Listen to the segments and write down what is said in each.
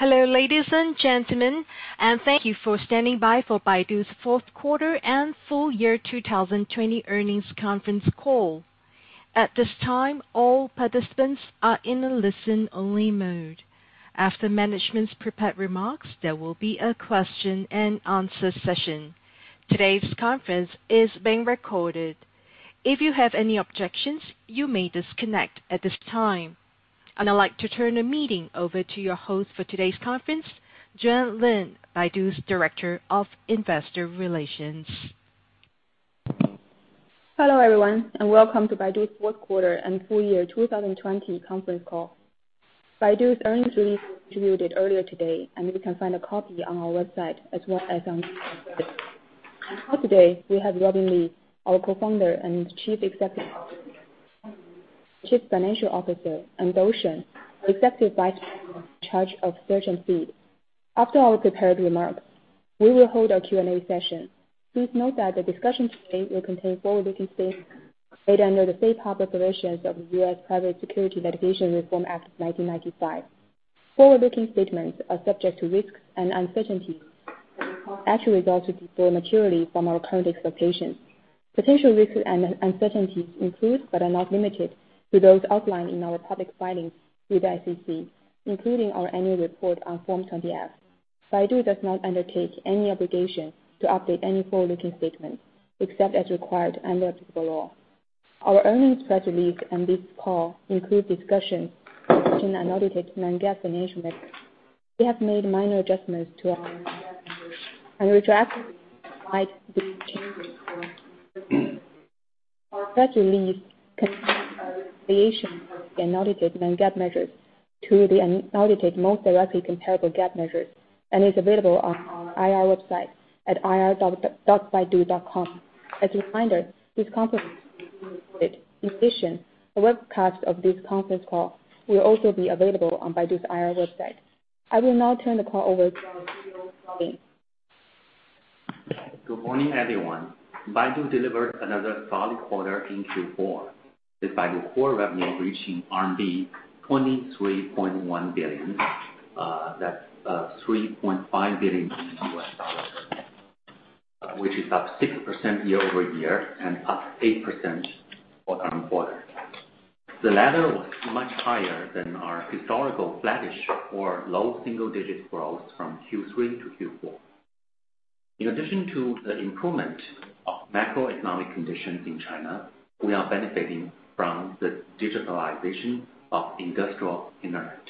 Hello, ladies and gentlemen, and thank you for standing by for Baidu's fourth quarter and full year 2020 earnings conference call. At this time, all participants are in a listen-only mode. After management's prepared remarks, there will be a question and answer session. Today's conference is being recorded. If you have any objections, you may disconnect at this time. I'd like to turn the meeting over to your host for today's conference, Juan Lin, Baidu's Director of Investor Relations. Hello, everyone, and welcome to Baidu's fourth quarter and full year 2020 conference call. Baidu's earnings release was distributed earlier today, and you can find a copy on our website as well as on ir.baidu.com. On call today, we have Robin Li, our Co-Founder and Chief Executive Officer, Herman Yu, Chief Financial Officer, and Dou Shen, our Executive Vice President in charge of Search and Feed. After our prepared remarks, we will hold our Q&A session. Please note that the discussion today will contain forward-looking statements made under the safe harbor provisions of the U.S. Private Securities Litigation Reform Act of 1995. Forward-looking statements are subject to risks and uncertainties that may cause actual results to differ materially from our current expectations. Potential risks and uncertainties include, but are not limited to, those outlined in our public filings with the SEC, including our annual report on Form 20-F. Baidu does not undertake any obligation to update any forward-looking statements, except as required under applicable law. Our earnings press release and this call include discussions which include unaudited non-GAAP financial measures. We have made minor adjustments to. The unaudited non-GAAP measures to the unaudited most directly comparable GAAP measures and is available on our IR website at ir.baidu.com. As a reminder, this conference is being recorded. In addition, a webcast of this conference call will also be available on Baidu's IR website. I will now turn the call over to our CEO, Robin. Good morning, everyone. Baidu delivered another solid quarter in Q4, with Baidu Core revenue reaching RMB 23.1 billion. That's $3.5 billion, which is up 6% year-over-year and up 8% quarter-on-quarter. The latter was much higher than our historical flattish or low single-digit growth from Q3 to Q4. In addition to the improvement of macroeconomic conditions in China, we are benefiting from the digitalization of industrial internet.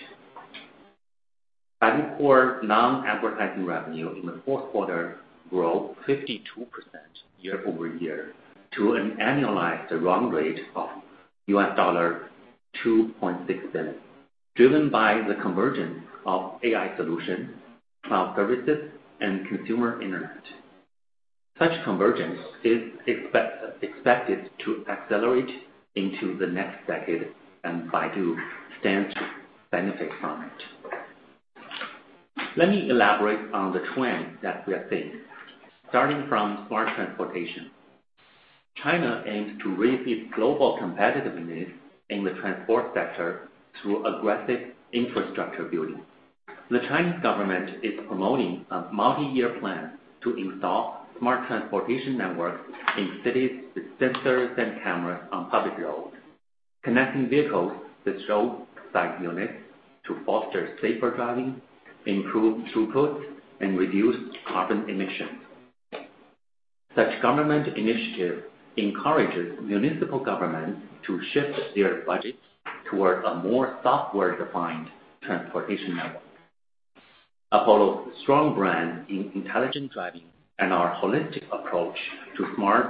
Baidu Core non-advertising revenue in the fourth quarter grew 52% year-over-year to an annualized run rate of $2.6 billion, driven by the convergence of AI solutions, cloud services, and consumer internet. Such convergence is expected to accelerate into the next decade. Baidu stands to benefit from it. Let me elaborate on the trend that we are seeing, starting from smart transportation. China aims to raise its global competitiveness in the transport sector through aggressive infrastructure building. The Chinese government is promoting a multiyear plan to install smart transportation networks in cities with sensors and cameras on public roads, connecting vehicles with roadside units to foster safer driving, improve throughput, and reduce carbon emissions. Such government initiative encourages municipal governments to shift their budgets toward a more software-defined transportation network. Apollo's strong brand in intelligent driving and our holistic approach to smart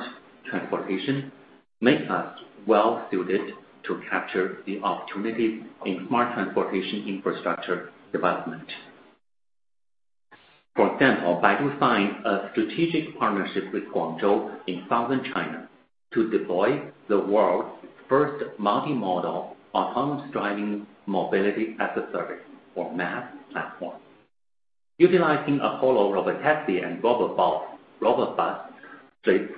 transportation make us well-suited to capture the opportunity in smart transportation infrastructure development. For example, Baidu signed a strategic partnership with Guangzhou in southern China to deploy the world's first multi-modal autonomous driving Mobility as a Service or MaaS platform. Utilizing Apollo Robotaxi and Robobus, Robot bus fleet,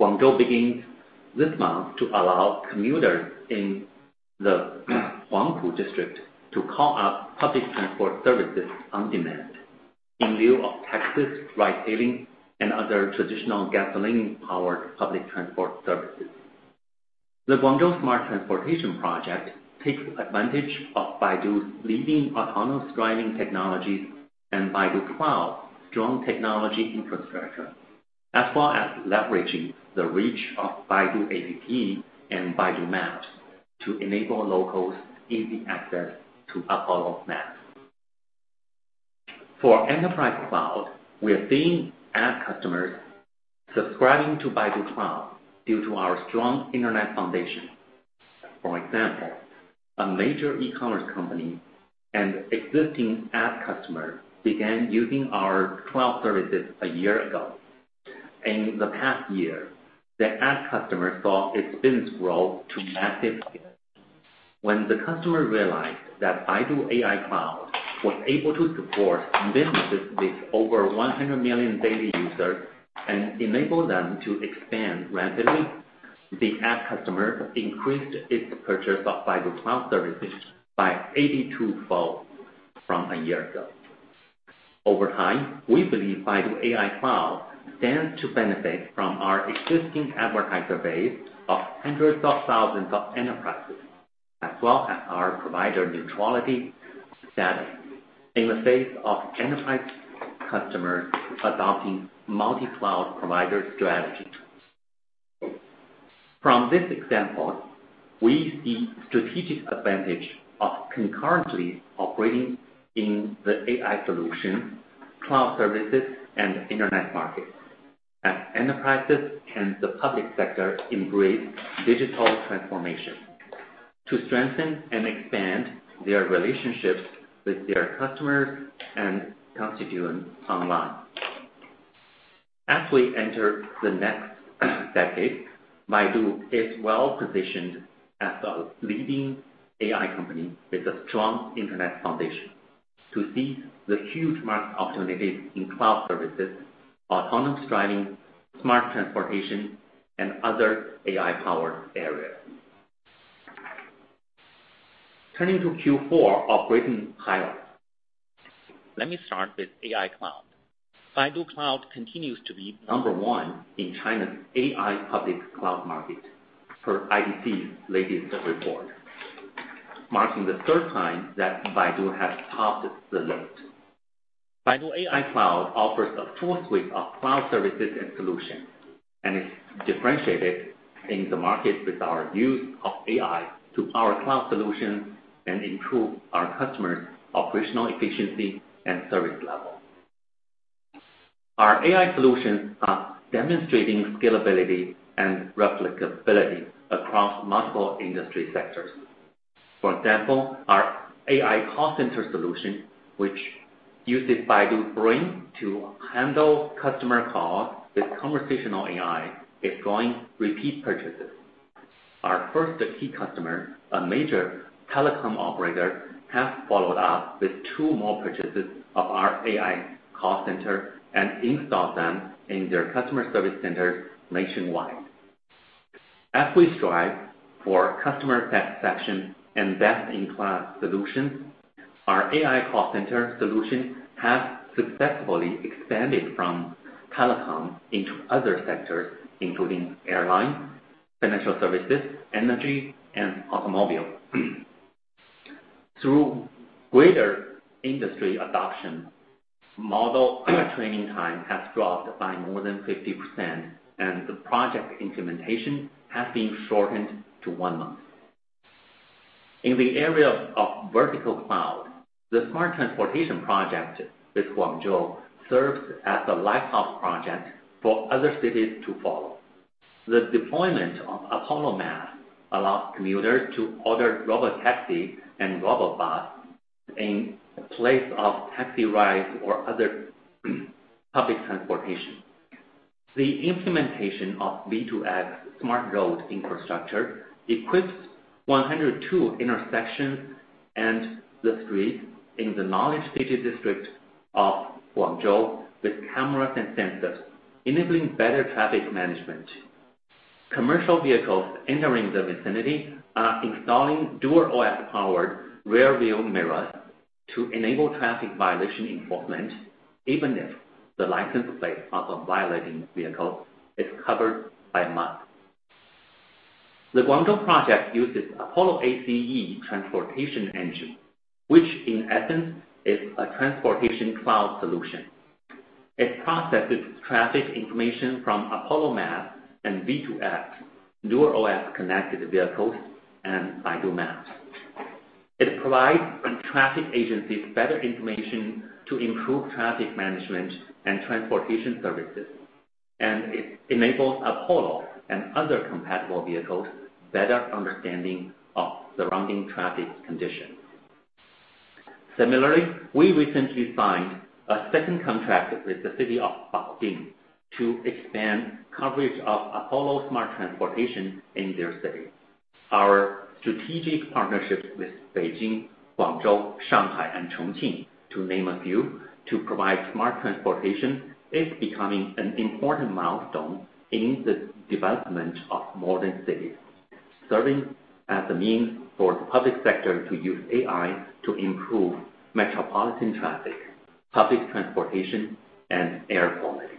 Guangzhou begins this month to allow commuters in the Huangpu District to call up public transport services on demand in lieu of taxis, ride hailing, and other traditional gasoline-powered public transport services. The Guangzhou smart transportation project takes advantage of Baidu's leading autonomous driving technologies and Baidu Cloud strong technology infrastructure, as well as leveraging the reach of Baidu App and Baidu Maps to enable locals easy access to Apollo's MaaS. For enterprise cloud, we are seeing ad customers subscribing to Baidu Cloud due to our strong internet foundation. For example, a major e-commerce company and existing ad customer began using our cloud services a year ago. In the past year, the ad customer saw its business grow to massive scale. When the customer realized that Baidu AI Cloud was able to support billions of these over 100 million daily users and enable them to expand rapidly. The app customers increased its purchase of Baidu Cloud services by 82-fold from a year ago. Over time, we believe Baidu AI Cloud stands to benefit from our existing advertiser base of hundreds of thousands of enterprises, as well as our provider neutrality status in the face of enterprise customers adopting multi-cloud provider strategies. From this example, we see strategic advantage of concurrently operating in the AI solution, cloud services, and internet markets as enterprises and the public sector embrace digital transformation to strengthen and expand their relationships with their customers and constituents online. As we enter the next decade, Baidu is well-positioned as a leading AI company with a strong internet foundation to seize the huge market opportunities in cloud services, autonomous driving, smart transportation, and other AI-powered areas. Turning to Q4 operating highlights. Let me start with AI Cloud. Baidu Cloud continues to be number 1 in China's AI public cloud market, per IDC's latest report, marking the third time that Baidu has topped the list. Baidu AI Cloud offers a full suite of cloud services and solutions, and is differentiated in the market with our use of AI to power cloud solutions and improve our customers' operational efficiency and service levels. Our AI solutions are demonstrating scalability and replicability across multiple industry sectors. For example, our AI call center solution, which uses Baidu Brain to handle customer calls with conversational AI, is drawing repeat purchases. Our first key customer, a major telecom operator, has followed up with two more purchases of our AI call center and installed them in their customer service centers nationwide. As we strive for customer satisfaction and best-in-class solutions, our AI call center solution has successfully expanded from telecom into other sectors, including airline, financial services, energy, and automobile. Through greater industry adoption, model training time has dropped by more than 50%, and the project implementation has been shortened to one month. In the area of vertical cloud, the smart transportation project with Guangzhou serves as a lighthouse project for other cities to follow. The deployment of Apollo Map allows commuters to order robotaxi and Robobus in place of taxi rides or other public transportation. The implementation of V2X smart road infrastructure equips 102 intersections and the streets in the Nansha city district of Guangzhou with cameras and sensors, enabling better traffic management. Commercial vehicles entering the vicinity are installing DuerOS-powered rear-view mirrors to enable traffic violation enforcement, even if the license plate of a violating vehicle is covered by mud. The Guangzhou project uses Apollo ACE transportation engine, which in essence is a transportation cloud solution. It processes traffic information from Apollo Map and V2X, DuerOS-connected vehicles, and Baidu Maps. It provides traffic agencies better information to improve traffic management and transportation services, and it enables Apollo and other compatible vehicles better understanding of surrounding traffic conditions. Similarly, we recently signed a second contract with the city of Baoding to expand coverage of Apollo Smart Transportation in their city. Our strategic partnerships with Beijing, Guangzhou, Shanghai, and Chongqing, to name a few, to provide smart transportation, is becoming an important milestone in the development of modern cities, serving as a means for the public sector to use AI to improve metropolitan traffic, public transportation, and air quality.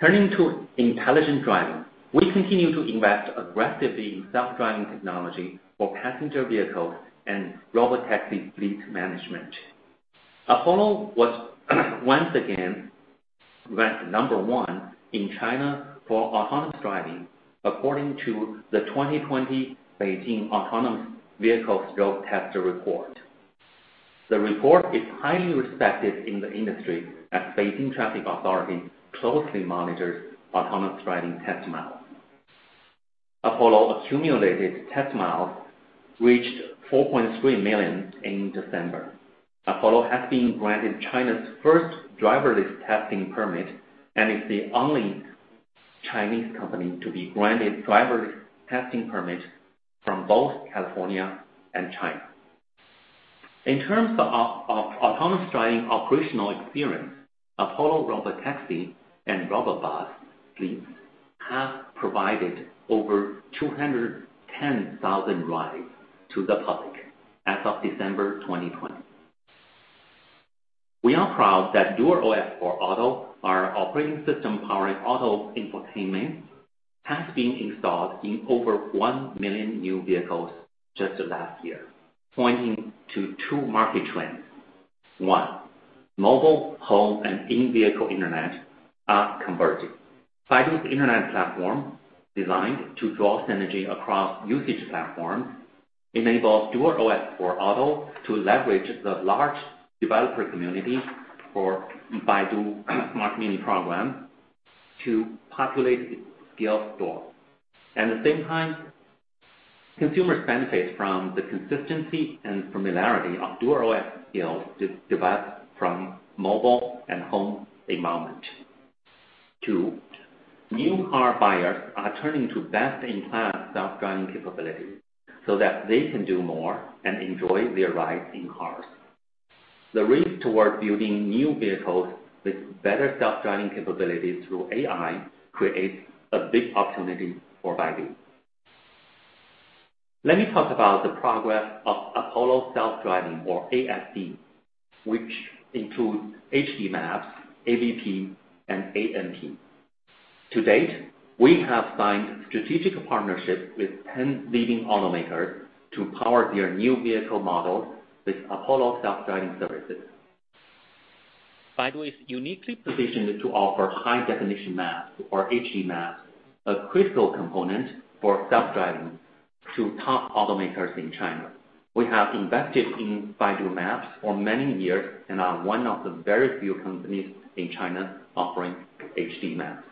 Turning to intelligent driving. We continue to invest aggressively in self-driving technology for passenger vehicles and robotaxi fleet management. Apollo was once again ranked number one in China for autonomous driving according to the 2020 Beijing Autonomous Vehicle Road Test Report. The report is highly respected in the industry as Beijing Traffic Authority closely monitors autonomous driving test miles. Apollo accumulated test miles reached 4.3 million in December. Apollo has been granted China's first driverless testing permit and is the only Chinese company to be granted driverless testing permit from both California and China. In terms of autonomous driving operational experience, Apollo Robotaxi and Robobus fleets have provided over 210,000 rides to the public as of December 2020. We are proud that DuerOS for Auto, our operating system powering auto infotainment, has been installed in over 1 million new vehicles just last year, pointing to two market trends. One, mobile, home, and in-vehicle internet are converging. Baidu's internet platform, designed to draw synergy across usage platforms, enables DuerOS for Auto to leverage the large developer community for Baidu Smart Mini Program to populate its skill store. At the same time, consumers benefit from the consistency and familiarity of DuerOS skills developed from mobile and home environments. Two, new car buyers are turning to best-in-class self-driving capabilities so that they can do more and enjoy their rides in cars. The race towards building new vehicles with better self-driving capabilities through AI creates a big opportunity for Baidu. Let me talk about the progress of Apollo Self-Driving, or ASD, which includes HD maps, AVP, and ANP. To-date, we have signed strategic partnerships with 10 leading automakers to power their new vehicle models with Apollo Self-Driving services. Baidu is uniquely positioned to offer high-definition maps, or HD maps, a critical component for self-driving, to top automakers in China. We have invested in Baidu Maps for many years and are one of the very few companies in China offering HD maps.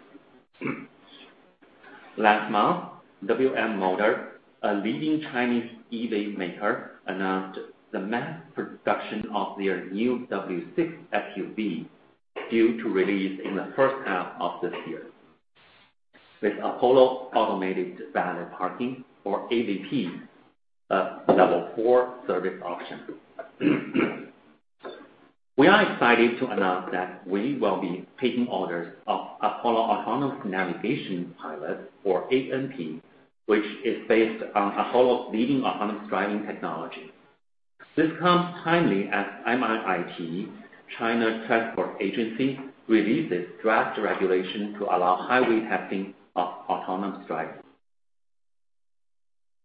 Last month, WM Motor, a leading Chinese EV maker, announced the mass production of their new W6 SUV, due to release in the first half of this year, with Apollo Automated Valet Parking, or AVP, a Level 4 service option. We are excited to announce that we will be taking orders of Apollo Navigation Pilot, or ANP, which is based on Apollo's leading autonomous driving technology. This comes timely as MIIT, China's transport agency, releases draft regulation to allow highway testing of autonomous driving.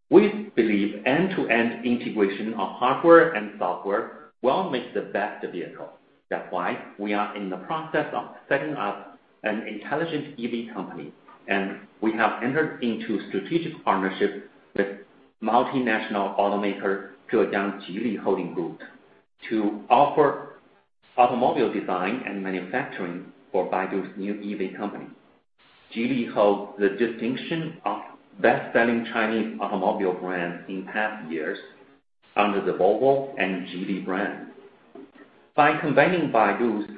We believe end-to-end integration of hardware and software will make the best vehicle. That's why we are in the process of setting up an intelligent EV company, and we have entered into strategic partnership with multinational automaker Zhejiang Geely Holding Group to offer automobile design and manufacturing for Baidu's new EV company. Geely holds the distinction of best-selling Chinese automobile brand in past years under the Volvo and Geely brands. By combining Baidu's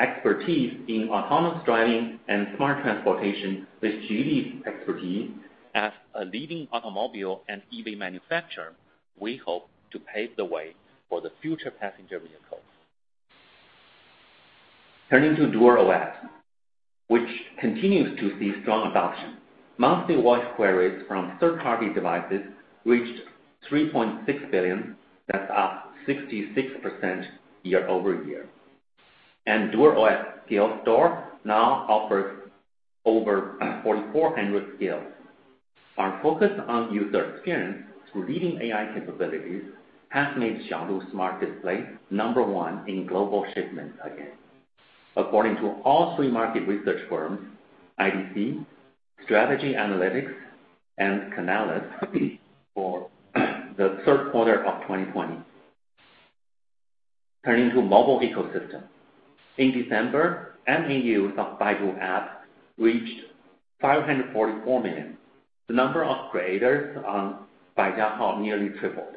expertise in autonomous driving and smart transportation with Geely's expertise as a leading automobile and EV manufacturer, we hope to pave the way for the future passenger vehicles. Turning to DuerOS, which continues to see strong adoption. Monthly voice queries from third-party devices reached 3.6 billion. That's up 66% year-over-year. DuerOS skill store now offers over 4,400 skills. Our focus on user experience through leading AI capabilities has made Xiaodu smart displays number 1 in global shipments again, according to all three market research firms, IDC, Strategy Analytics, and Canalys, for the third quarter of 2020. Turning to mobile ecosystem. In December, MAUs of Baidu apps reached 544 million. The number of creators on Baidu nearly tripled.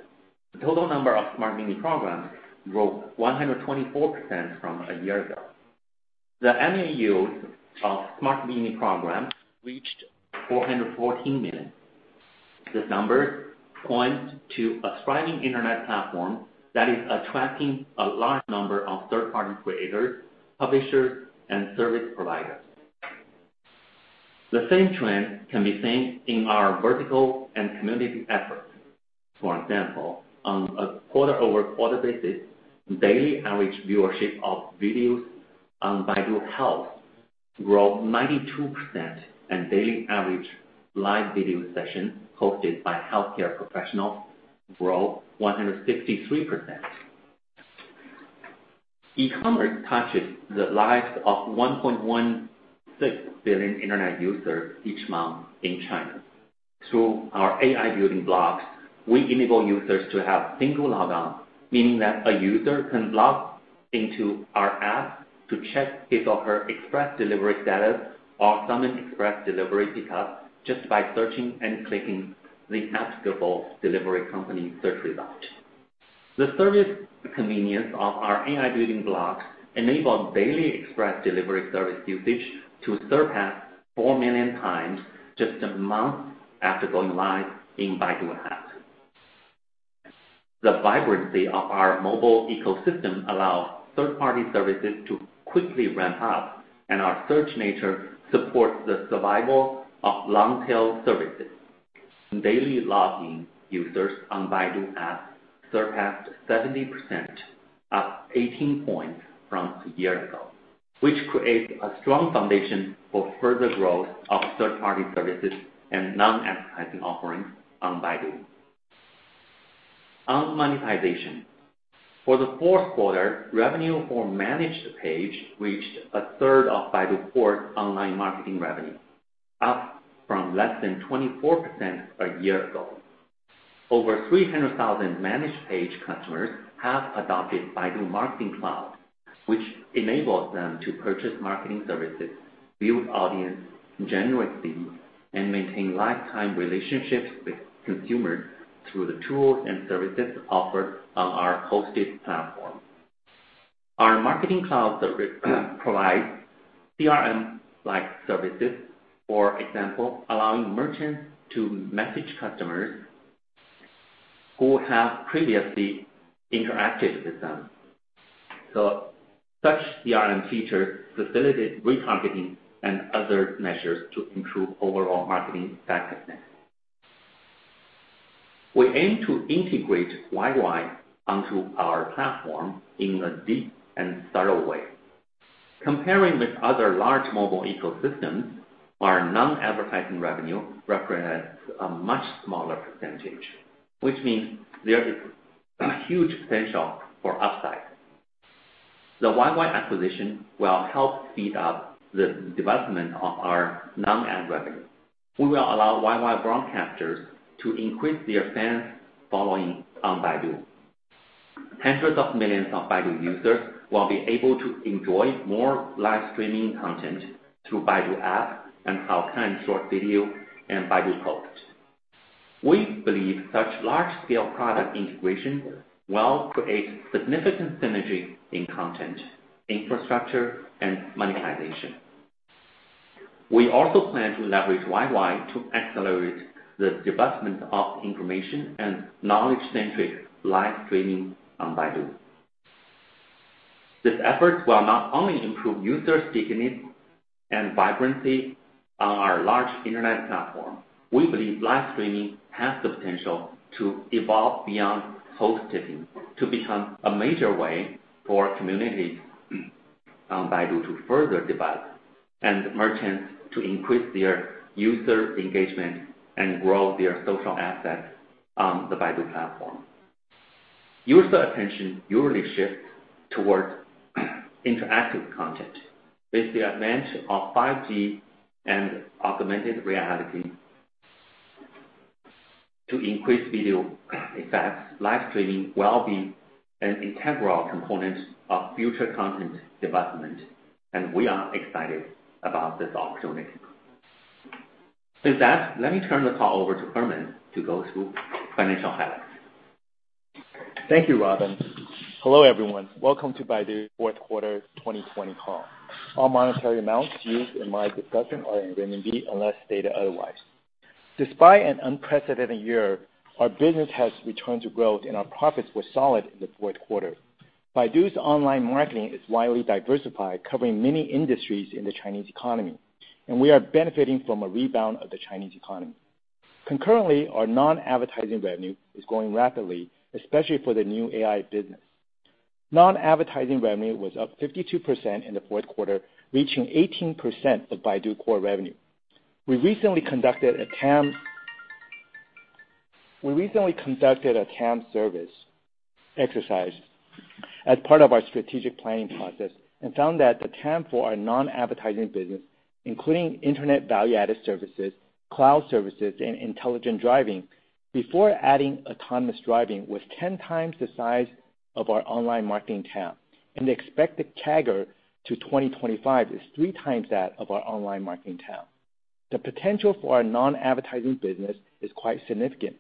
The total number of Smart Mini Programs grew 124% from a year ago. The MAUs of Smart Mini Programs reached 414 million. These numbers point to a thriving internet platform that is attracting a large number of third-party creators, publishers, and service providers. The same trend can be seen in our vertical and community efforts. For example, on a quarter-over-quarter basis, daily average viewership of videos on Baidu Health grew 92%, and daily average live video sessions hosted by healthcare professionals grew 163%. E-commerce touches the lives of 1.16 billion internet users each month in China. Through our AI building blocks, we enable users to have single log on, meaning that a user can log into our app to check his or her express delivery status or summon express delivery pickup just by searching and clicking the applicable delivery company search result. The service convenience of our AI building blocks enable daily express delivery service usage to surpass 4 million times just a month after going live in Baidu App. The vibrancy of our mobile ecosystem allows third-party services to quickly ramp up, and our search nature supports the survival of long-tail services. Daily login users on Baidu App surpassed 70%, up 18 points from a year ago, which creates a strong foundation for further growth of third-party services and non-advertising offerings on Baidu. On monetization. For the fourth quarter, revenue for Managed Page reached a third of Baidu Core online marketing revenue, up from less than 24% a year ago. Over 300,000 Managed Page customers have adopted Baidu Marketing Cloud, which enables them to purchase marketing services, build audience, generate leads, and maintain lifetime relationships with consumers through the tools and services offered on our hosted platform. Our Marketing Cloud service provides CRM-like services. For example, allowing merchants to message customers who have previously interacted with them. Such CRM features facilitate retargeting and other measures to improve overall marketing effectiveness. We aim to integrate YY onto our platform in a deep and thorough way. Comparing with other large mobile ecosystems, our non-advertising revenue represents a much smaller percentage, which means there is a huge potential for upside. The YY acquisition will help speed up the development of our non-ad revenue. We will allow YY broadcasters to increase their fans' following on Baidu. Hundreds of millions of Baidu users will be able to enjoy more live streaming content through Baidu App and Haokan short video and Baidu Post. We believe such large-scale product integration will create significant synergy in content, infrastructure, and monetization. We also plan to leverage YY to accelerate the development of information and knowledge-centric live streaming on Baidu. This effort will not only improve user stickiness and vibrancy on our large Internet platform, we believe live streaming has the potential to evolve beyond social media to become a major way for communities on Baidu to further develop, and merchants to increase their user engagement and grow their social assets on the Baidu platform. User attention usually shifts towards interactive content. With the advent of 5G and augmented reality to increase video effects, live streaming will be an integral component of future content development, and we are excited about this opportunity. With that, let me turn the call over to Herman to go through financial highlights. Thank you, Robin. Hello, everyone. Welcome to Baidu fourth quarter 2020 call. All monetary amounts used in my discussion are in renminbi unless stated otherwise. Despite an unprecedented year, our business has returned to growth, and our profits were solid in the fourth quarter. Baidu's online marketing is widely diversified, covering many industries in the Chinese economy, and we are benefiting from a rebound of the Chinese economy. Concurrently, our non-advertising revenue is growing rapidly, especially for the new AI business. Non-advertising revenue was up 52% in the fourth quarter, reaching 18% of Baidu Core revenue. We recently conducted a TAM service exercise as part of our strategic planning process and found that the TAM for our non-advertising business, including internet value-added services, cloud services, and intelligent driving before adding autonomous driving, was 10 times the size of our online marketing TAM. The expected CAGR to 2025 is three times that of our online marketing TAM. The potential for our non-advertising business is quite significant.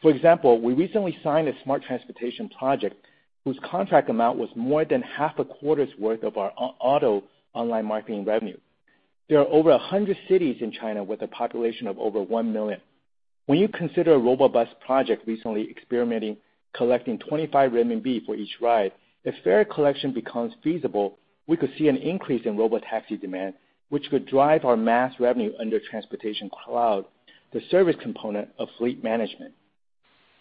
For example, we recently signed a smart transportation project whose contract amount was more than half a quarter's worth of our auto online marketing revenue. There are over 100 cities in China with a population of over 1 million. When you consider Robobus project recently experimenting, collecting 25 renminbi for each ride, if fare collection becomes feasible, we could see an increase in Robotaxi demand, which could drive our MaaS revenue under Transportation Cloud, the service component of fleet management.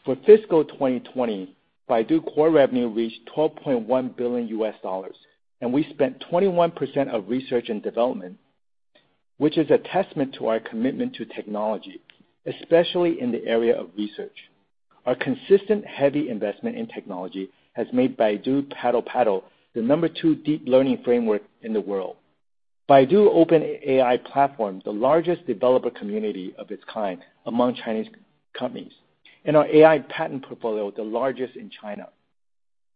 For FY 2020, Baidu Core revenue reached $12.1 billion, we spent 21% of R&D, which is a testament to our commitment to technology, especially in the area of research. Our consistent, heavy investment in technology has made Baidu PaddlePaddle the number two deep learning framework in the world. Baidu AI Open Platform, the largest developer community of its kind among Chinese companies, and our AI patent portfolio, the largest in China.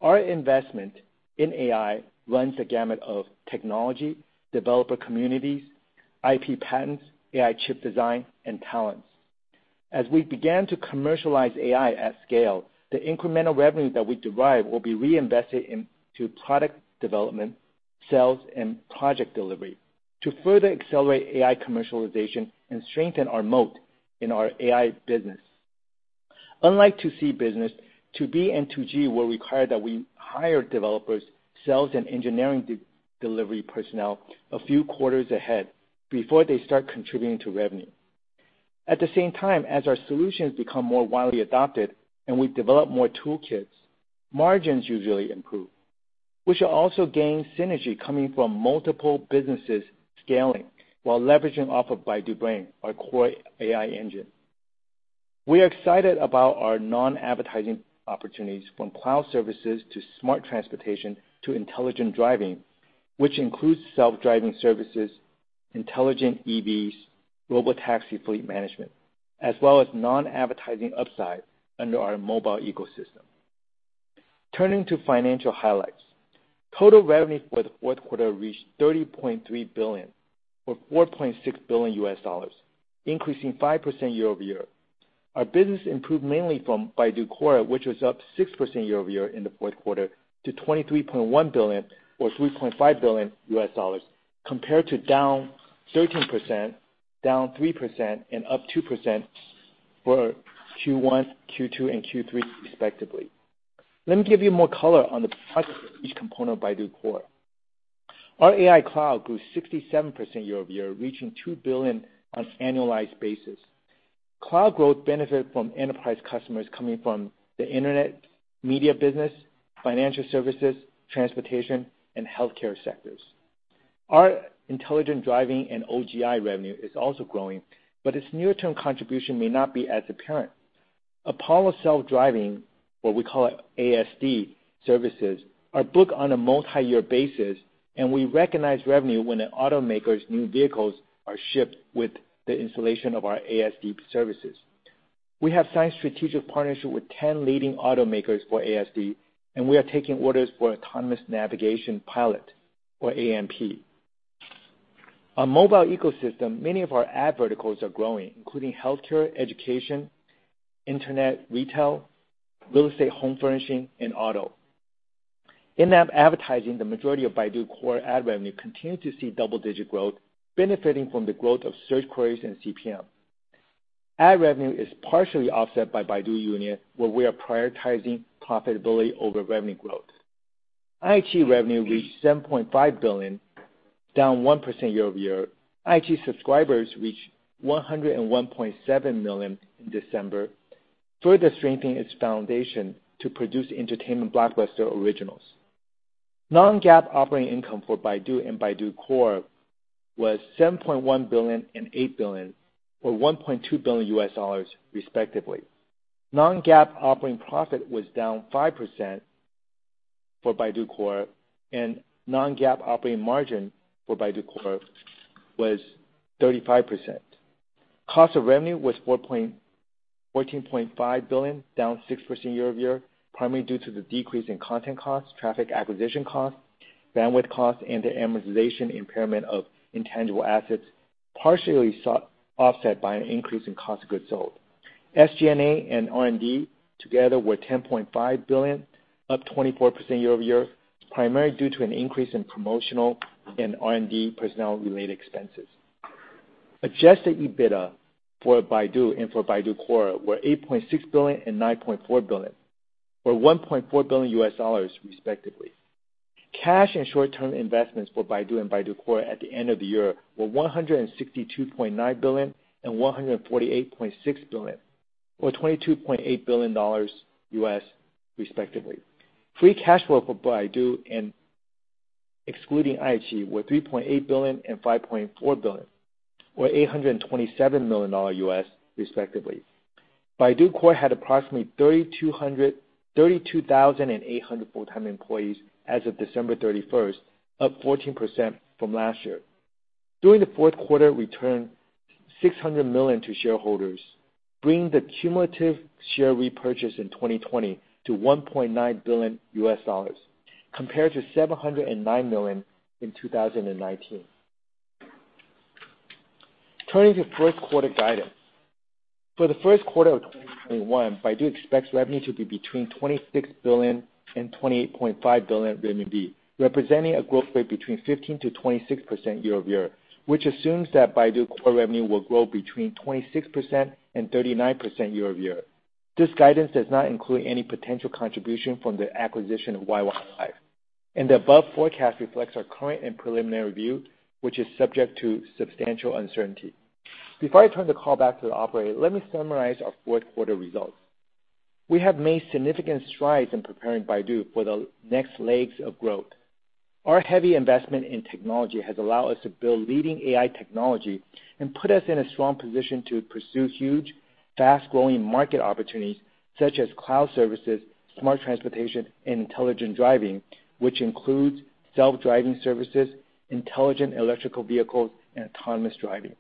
Our investment in AI runs the gamut of technology, developer communities, IP patents, AI chip design, and talents. As we began to commercialize AI at scale, the incremental revenue that we derive will be reinvested into product development, sales, and project delivery to further accelerate AI commercialization and strengthen our moat in our AI business. Unlike To C business, To B and To G will require that we hire developers, sales, and engineering delivery personnel a few quarters ahead before they start contributing to revenue. At the same time, as our solutions become more widely adopted and we develop more toolkits, margins usually improve. We should also gain synergy coming from multiple businesses scaling while leveraging off of Baidu Brain, our core AI engine. We are excited about our non-advertising opportunities, from cloud services to smart transportation to intelligent driving, which includes self-driving services, intelligent EVs, Robotaxi fleet management, as well as non-advertising upside under our mobile ecosystem. Turning to financial highlights. Total revenue for the fourth quarter reached RMB 30.3 billion, or $4.6 billion, increasing 5% year-over-year. Our business improved mainly from Baidu Core, which was up 6% year-over-year in the fourth quarter to 23.1 billion or $3.5 billion, compared to down 13%, down 3%, and up 2% for Q1, Q2, and Q3, respectively. Let me give you more color on the progress of each component of Baidu Core. Our Baidu AI Cloud grew 67% year-over-year, reaching 2 billion on an annualized basis. Cloud growth benefited from enterprise customers coming from the internet media business, financial services, transportation, and healthcare sectors. Our intelligent driving and OGI revenue is also growing, but its near-term contribution may not be as apparent. Apollo Self-Driving, what we call ASD services, are booked on a multi-year basis, and we recognize revenue when the automaker's new vehicles are shipped with the installation of our ASD services. We have signed strategic partnership with 10 leading automakers for ASD, and we are taking orders for Apollo Navigation Pilot or ANP. On mobile ecosystem, many of our ad verticals are growing, including healthcare, education, internet, retail, real estate, home furnishing, and auto. In-app advertising, the majority of Baidu Core ad revenue continues to see double-digit growth, benefiting from the growth of search queries and CPM. Ad revenue is partially offset by Baidu Union, where we are prioritizing profitability over revenue growth. iQIYI revenue reached RMB 7.5 billion, down 1% year-over-year. iQIYI subscribers reached 101.7 million in December, further strengthening its foundation to produce entertainment blockbuster originals. Non-GAAP operating income for Baidu and Baidu Core was 7.1 billion and 8 billion, or $1.2 billion, respectively. Non-GAAP operating profit was down 5% for Baidu Core, and Non-GAAP operating margin for Baidu Core was 35%. Cost of revenue was 14.5 billion, down 6% year-over-year, primarily due to the decrease in content costs, traffic acquisition costs, bandwidth costs, and the amortization impairment of intangible assets, partially offset by an increase in cost of goods sold. SG&A and R&D together were 10.5 billion, up 24% year-over-year, primarily due to an increase in promotional and R&D personnel-related expenses. Adjusted EBITDA for Baidu and for Baidu Core were 8.6 billion and 9.4 billion, or $1.4 billion, respectively. Cash and short-term investments for Baidu and Baidu Core at the end of the year were 162.9 billion and 148.6 billion, or $22.8 billion, respectively. Free cash flow for Baidu and excluding iQIYI were 3.8 billion and 5.4 billion, or $827 million, respectively. Baidu Core had approximately 32,800 full-time employees as of December 31st, up 14% from last year. During the fourth quarter, we returned $600 million to shareholders, bringing the cumulative share repurchase in 2020 to $1.9 billion, compared to $709 million in 2019. Turning to first quarter guidance. For the first quarter of 2021, Baidu expects revenue to be between 26 billion and 28.5 billion RMB, representing a growth rate between 15%-26% year-over-year, which assumes that Baidu Core revenue will grow between 26% and 39% year-over-year. This guidance does not include any potential contribution from the acquisition of YY Live. The above forecast reflects our current and preliminary view, which is subject to substantial uncertainty. Before I turn the call back to the operator, let me summarize our fourth quarter results. We have made significant strides in preparing Baidu for the next legs of growth. Our heavy investment in technology has allowed us to build leading AI technology and put us in a strong position to pursue huge, fast-growing market opportunities, such as cloud services, smart transportation, and intelligent driving, which includes self-driving services, intelligent electrical vehicles, and autonomous driving.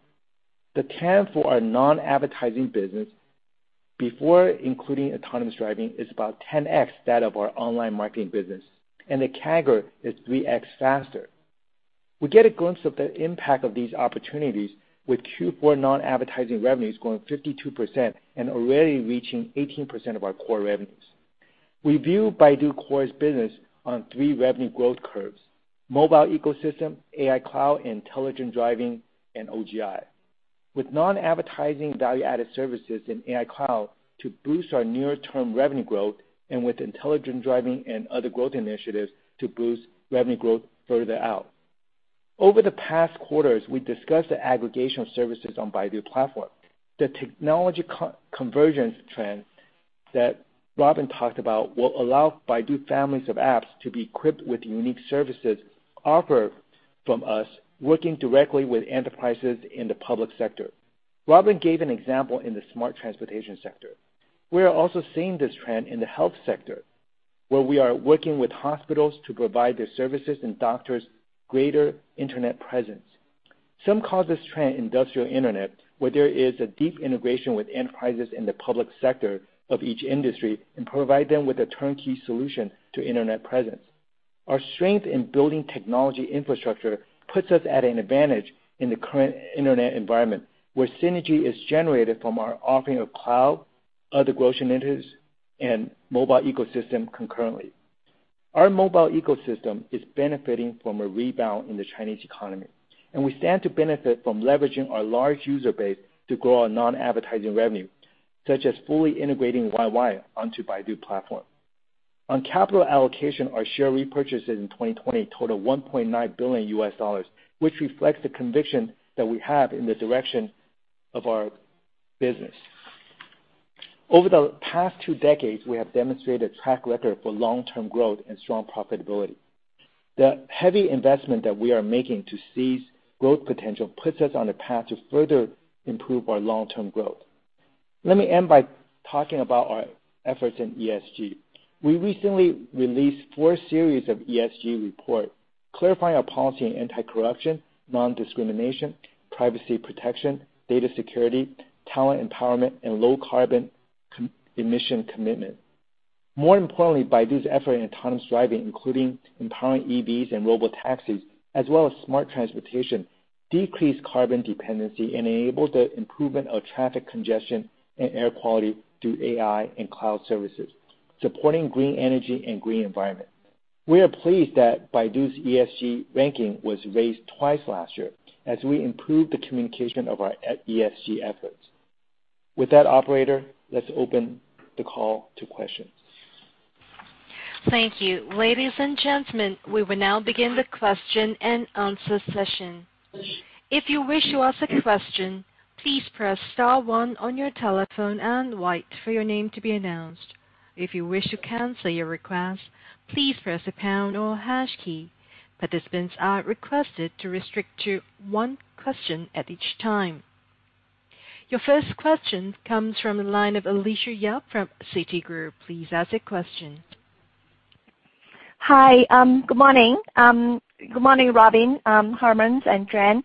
The TAM for our non-advertising business, before including autonomous driving, is about 10X that of our online marketing business, and the CAGR is 3X faster. We get a glimpse of the impact of these opportunities with Q4 non-advertising revenues growing 52% and already reaching 18% of our core revenues. We view Baidu Core's business on three revenue growth curves: mobile ecosystem, Baidu AI Cloud, intelligent driving, and OGI. With non-advertising value-added services in Baidu AI Cloud to boost our near-term revenue growth and with intelligent driving and Other Growth Initiatives to boost revenue growth further out. Over the past quarters, we discussed the aggregation of services on Baidu platform. The technology convergence trend that Robin talked about will allow Baidu families of apps to be equipped with unique services offered from us, working directly with enterprises in the public sector. Robin gave an example in the smart transportation sector. We are also seeing this trend in the health sector, where we are working with hospitals to provide their services and doctors greater internet presence. Some call this trend industrial internet, where there is a deep integration with enterprises in the public sector of each industry and provide them with a turnkey solution to internet presence. Our strength in building technology infrastructure puts us at an advantage in the current internet environment, where synergy is generated from our offering of cloud, Other Growth Initiatives, and mobile ecosystem concurrently. Our mobile ecosystem is benefiting from a rebound in the Chinese economy, and we stand to benefit from leveraging our large user base to grow our non-advertising revenue, such as fully integrating YY onto Baidu platform. On capital allocation, our share repurchases in 2020 total $1.9 billion, which reflects the conviction that we have in the direction of our business. Over the past two decades, we have demonstrated a track record for long-term growth and strong profitability. The heavy investment that we are making to seize growth potential puts us on a path to further improve our long-term growth. Let me end by talking about our efforts in ESG. We recently released four series of ESG report clarifying our policy in anti-corruption, non-discrimination, privacy protection, data security, talent empowerment, and low carbon emission commitment. More importantly, Baidu's effort in autonomous driving, including empowering EVs and robotaxis, as well as smart transportation, decrease carbon dependency and enable the improvement of traffic congestion and air quality through AI and cloud services, supporting green energy and green environment. We are pleased that Baidu's ESG ranking was raised twice last year as we improved the communication of our ESG efforts. With that, operator, let's open the call to questions. Thank you. Ladies and gentlemen, we will now begin the question and answer session. If you wish to ask a question, please press star one on your telephone and wait for your name to be announced. If you wish to cancel your request, please press the pound or hash key. Participants are requested to restrict to one question at each time. Your first question comes from the line of Alicia Yap from Citigroup. Please ask your question. Hi. Good morning. Good morning, Robin, Herman, and Shen.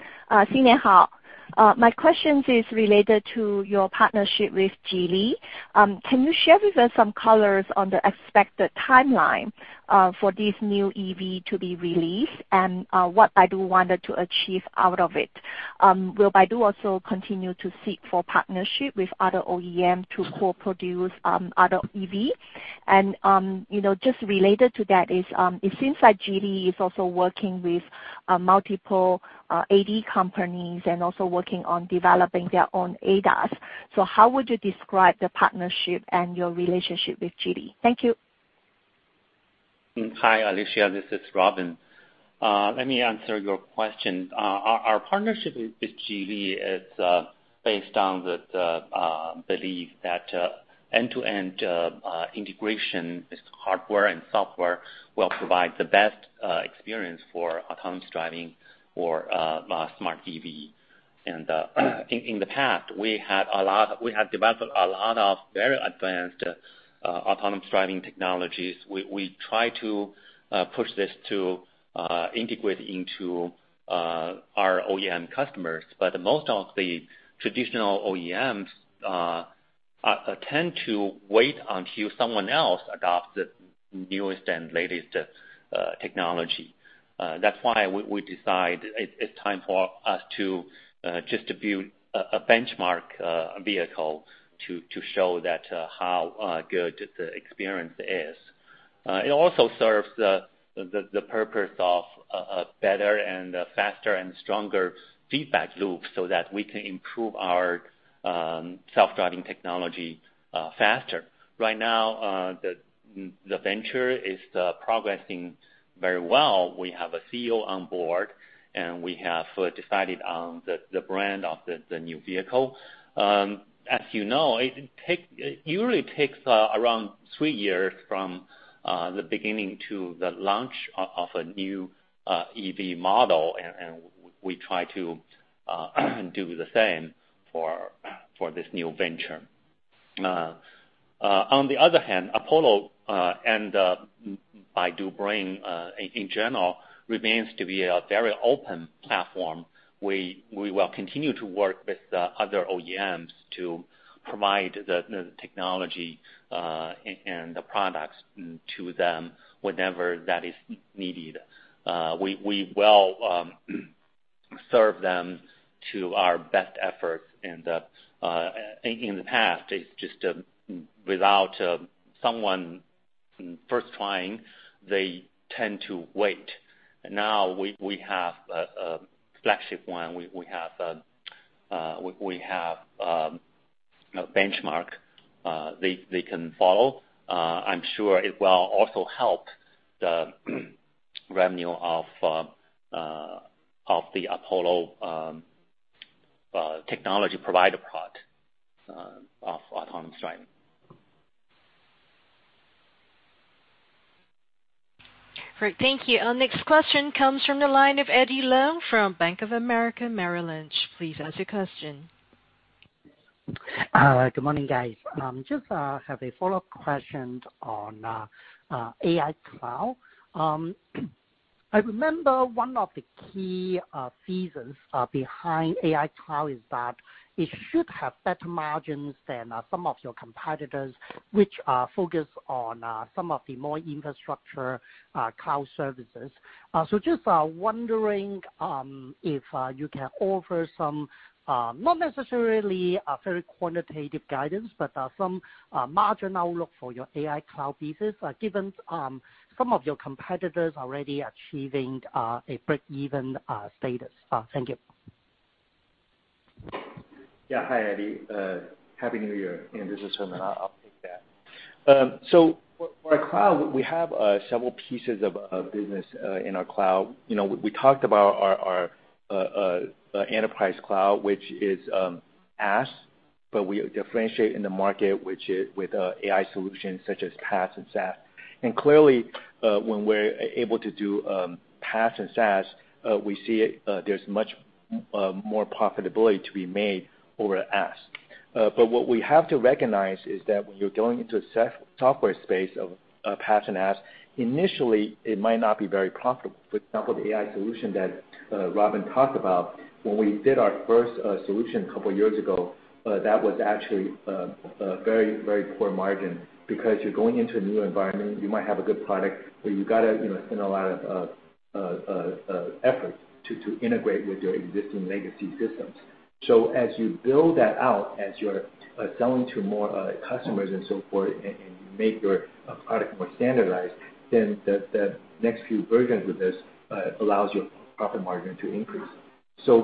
My questions is related to your partnership with Geely. Can you share with us some colors on the expected timeline for this new EV to be released and what Baidu wanted to achieve out of it? Will Baidu also continue to seek for partnership with other OEM to co-produce other EVs? Just related to that is, it seems like Geely is also working with multiple AD companies and also working on developing their own ADAS. How would you describe the partnership and your relationship with Geely? Thank you. Hi, Alicia. This is Robin. Let me answer your question. Our partnership with Geely is based on the belief that end-to-end integration, both hardware and software, will provide the best experience for autonomous driving for smart EV. In the past, we have developed a lot of very advanced autonomous driving technologies. We try to push this to integrate into our OEM customers. Most of the traditional OEMs tend to wait until someone else adopts the newest and latest technology. That's why we decide it's time for us to just build a benchmark vehicle to show how good the experience is. It also serves the purpose of a better and faster and stronger feedback loop so that we can improve our self-driving technology faster. Right now, the venture is progressing very well. We have a CEO on board, and we have decided on the brand of the new vehicle. As you know, it usually takes around three years from the beginning to the launch of a new EV model, and we try to do the same for this new venture. On the other hand, Apollo and Baidu Brain, in general, remains to be a very open platform. We will continue to work with the other OEMs to provide the technology and the products to them whenever that is needed. We will serve them to our best efforts. In the past, it's just without someone first trying, they tend to wait. Now we have a flagship one, we have a benchmark they can follow. I'm sure it will also help the revenue of the Apollo technology provider product of autonomous driving. Great. Thank you. Our next question comes from the line of Eddie Leung from Bank of America Merrill Lynch. Please ask your question. Good morning, guys. Just have a follow-up question on AI Cloud. I remember one of the key reasons behind AI Cloud is that it should have better margins than some of your competitors, which are focused on some of the more infrastructure cloud services. Just wondering if you can offer some, not necessarily a very quantitative guidance, but some marginal look for your AI Cloud business, given some of your competitors already achieving a break-even status. Thank you. Yeah. Hi, Eddie. Happy New Year. This is Shen. I'll take that. For our cloud, we have several pieces of business in our cloud. We talked about our enterprise cloud, which is IaaS, but we differentiate in the market with AI solutions such as PaaS and SaaS. Clearly, when we're able to do PaaS and SaaS, we see there's much more profitability to be made over IaaS. What we have to recognize is that when you're going into a software space of PaaS and IaaS, initially, it might not be very profitable. For example, the AI solution that Robin talked about, when we did our first solution a couple of years ago, that was actually a very poor margin because you're going into a new environment. You might have a good product, but you got to spend a lot of effort to integrate with your existing legacy systems. As you build that out, as you're selling to more customers and so forth, and you make your product more standardized, then the next few versions of this allows your profit margin to increase.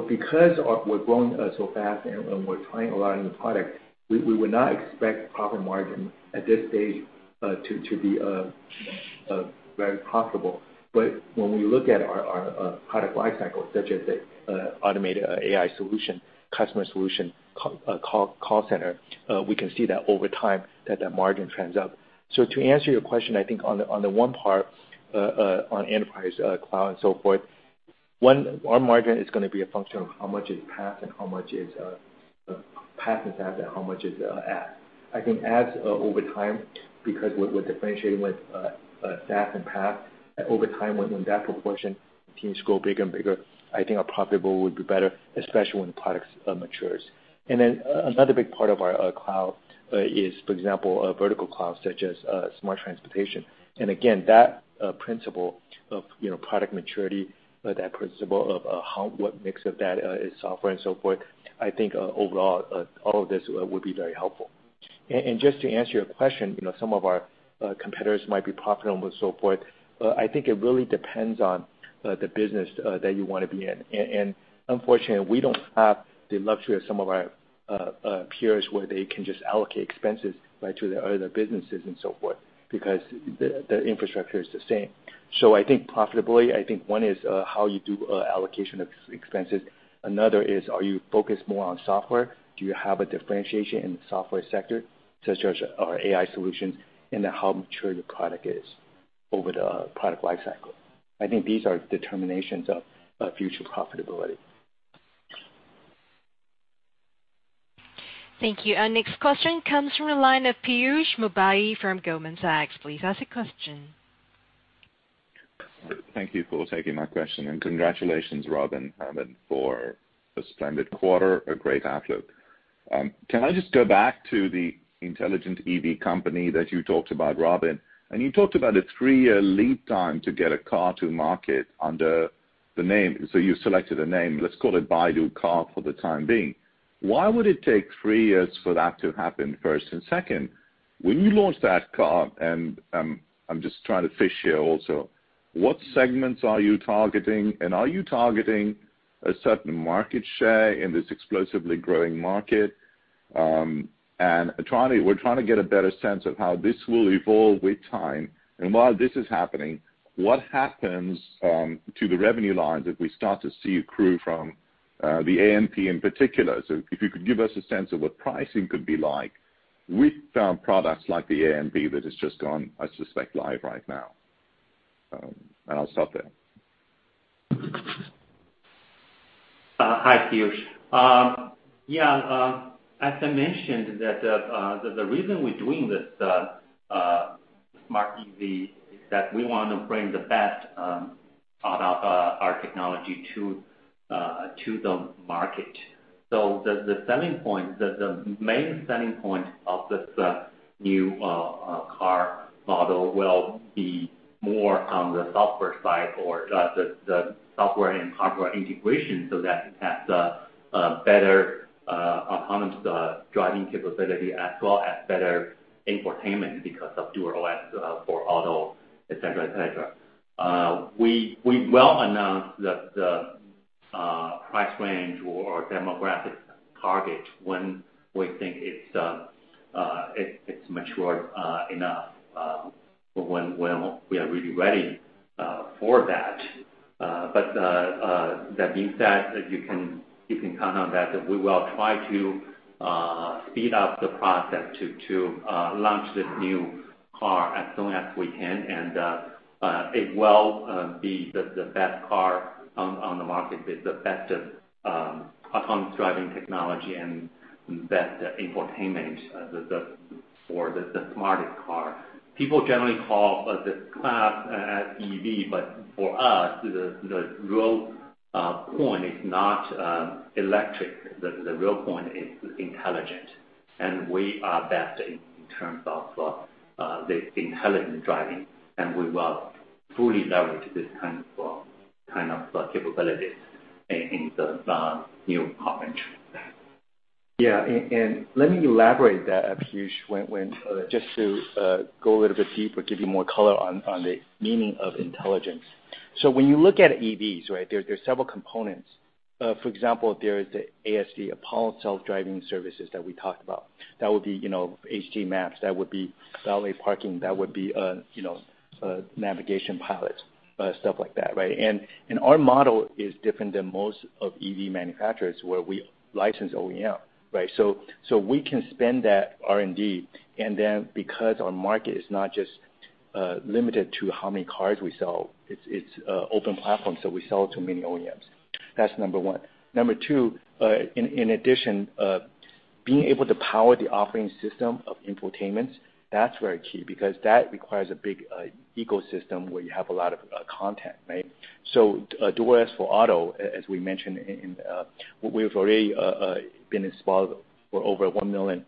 Because we're growing so fast and we're trying a lot of new product, we would not expect profit margin at this stage to be very profitable. When we look at our product life cycle, such as the automated AI solution, customer solution, call center, we can see that over time that margin trends up. To answer your question, I think on the one part, on enterprise cloud and so forth, one margin is going to be a function of how much is PaaS and SaaS and how much is IaaS. I think IaaS over time, because we're differentiating with SaaS and PaaS, over time, when that proportion continues to grow bigger and bigger, I think our profitable would be better, especially when the product matures. Another big part of our cloud is, for example, a vertical cloud such as smart transportation. Again, that principle of product maturity, that principle of what mix of that is software and so forth, I think overall, all of this would be very helpful. Just to answer your question, some of our competitors might be profitable and so forth. I think it really depends on the business that you want to be in. Unfortunately, we don't have the luxury of some of our peers where they can just allocate expenses to their other businesses and so forth because the infrastructure is the same. I think profitably, I think one is how you do allocation of expenses. Another is, are you focused more on software? Do you have a differentiation in the software sector, such as our AI solution and how mature the product is over the product life cycle? I think these are determinations of future profitability. Thank you. Our next question comes from the line of Piyush Mubayi from Goldman Sachs. Please ask a question. Thank you for taking my question. Congratulations, Robin, Shen, for a splendid quarter, a great outlook. Can I just go back to the intelligent EV company that you talked about, Robin? You talked about a 3-year lead time to get a car to market under the name. You selected a name, let's call it Baidu Car for the time being. Why would it take 3 years for that to happen, first? Second, when you launch that car, and I'm just trying to fish here also, what segments are you targeting? Are you targeting a certain market share in this explosively growing market? We're trying to get a better sense of how this will evolve with time. While this is happening, what happens to the revenue lines if we start to see accrue from the ANP in particular? If you could give us a sense of what pricing could be like with products like the ANP that has just gone, I suspect, live right now. I'll stop there. Hi, Piyush. As I mentioned, the reason we're doing this smart EV is that we want to bring the best of our technology to the market. The main selling point of this new car model will be more on the software side, or the software and hardware integration so that it has a better autonomous driving capability, as well as better infotainment because of DuerOS for Auto, et cetera. We will announce the price range or demographic target when we think it's matured enough, or when we are really ready for that. That being said, you can count on that, we will try to speed up the process to launch this new car as soon as we can. It will be the best car on the market with the best autonomous driving technology and best infotainment for the smartest car. People generally call this class an EV, for us, the real point is not electric. The real point is intelligent. We are best in terms of the intelligent driving, and we will fully leverage this kind of capabilities in the new car launch. Yeah, let me elaborate that, Piyush, just to go a little bit deeper, give you more color on the meaning of intelligence. When you look at EVs, right, there's several components. For example, there is the ASD, Apollo Self-Driving services that we talked about. That would be HD maps, that would be valet parking, that would be navigation pilots, stuff like that, right? Our model is different than most EV manufacturers, where we license OEM, right? We can spend that R&D, because our market is not just limited to how many cars we sell, it's open platform, we sell to many OEMs. That's number one. Number two, in addition, being able to power the operating system of infotainment, that's very key, because that requires a big ecosystem where you have a lot of content, right? DuerOS for Auto, as we mentioned, we've already been installed for over 1 million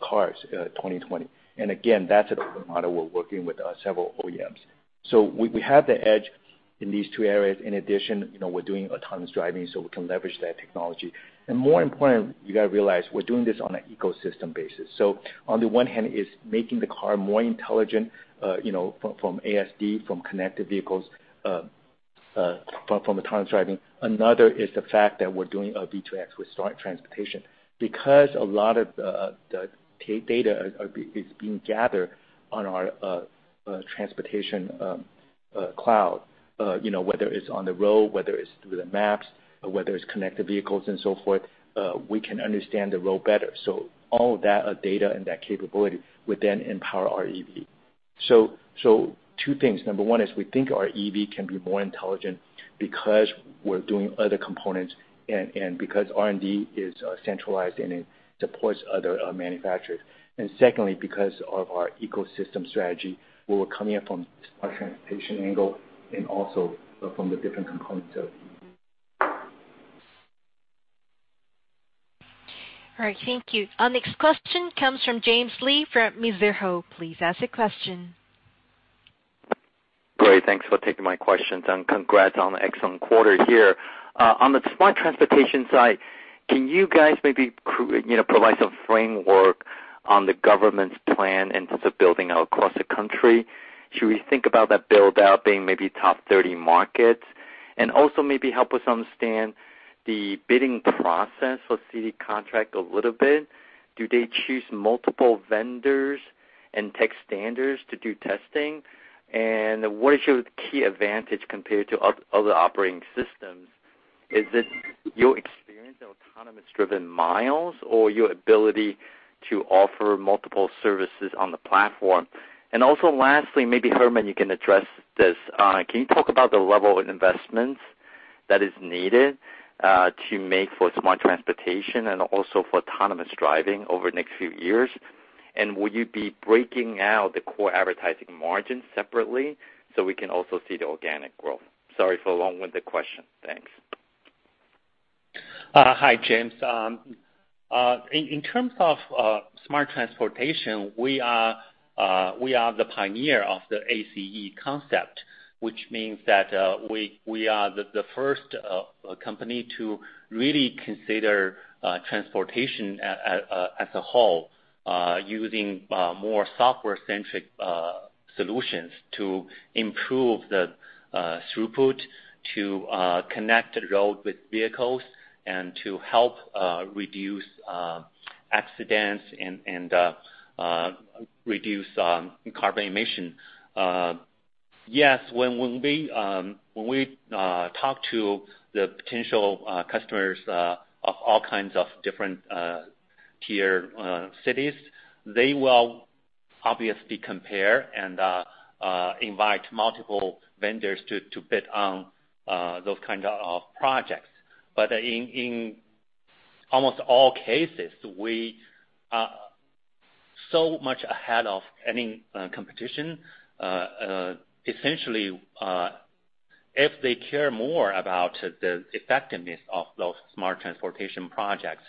cars in 2020. Again, that's an open model. We're working with several OEMs. We have the edge in these two areas. In addition, we're doing autonomous driving, so we can leverage that technology. More important, you got to realize, we're doing this on an ecosystem basis. On the one hand, it's making the car more intelligent from ADAS, from connected vehicles, from autonomous driving. Another is the fact that we're doing a V2X with smart transportation. Because a lot of the data is being gathered on our Transportation Cloud, whether it's on the road, whether it's through the maps, or whether it's connected vehicles and so forth, we can understand the road better. All of that data and that capability would then empower our EV. Two things. Number one is we think our EV can be more intelligent because we're doing other components and because R&D is centralized and it supports other manufacturers. Secondly, because of our ecosystem strategy, where we're coming in from a smart transportation angle and also from the different components of EV. All right. Thank you. Our next question comes from James Lee, from Mizuho. Please ask your question. Great. Thanks for taking my questions, and congrats on the excellent quarter here. On the smart transportation side, can you guys maybe provide some framework on the government's plan in terms of building out across the country? Should we think about that build-out being maybe top 30 markets? Also maybe help us understand the bidding process for city contract a little bit. Do they choose multiple vendors and tech standards to do testing? What is your key advantage compared to other operating systems? Is it your experience in autonomous-driven miles or your ability to offer multiple services on the platform? Lastly, maybe Herman, you can address this. Can you talk about the level of investments that is needed to make for smart transportation and also for autonomous driving over the next few years? Will you be breaking out the core advertising margin separately so we can also see the organic growth? Sorry for the long-winded question. Thanks. Hi, James. In terms of smart transportation, we are the pioneer of the ACE concept, which means that we are the first company to really consider transportation as a whole, using more software-centric solutions to improve the throughput to connected road with vehicles and to help reduce accidents and reduce carbon emission. Yes, when we talk to the potential customers of all kinds of different tier cities, they will obviously compare and invite multiple vendors to bid on those kinds of projects. In almost all cases, we are so much ahead of any competition, essentially if they care more about the effectiveness of those smart transportation projects,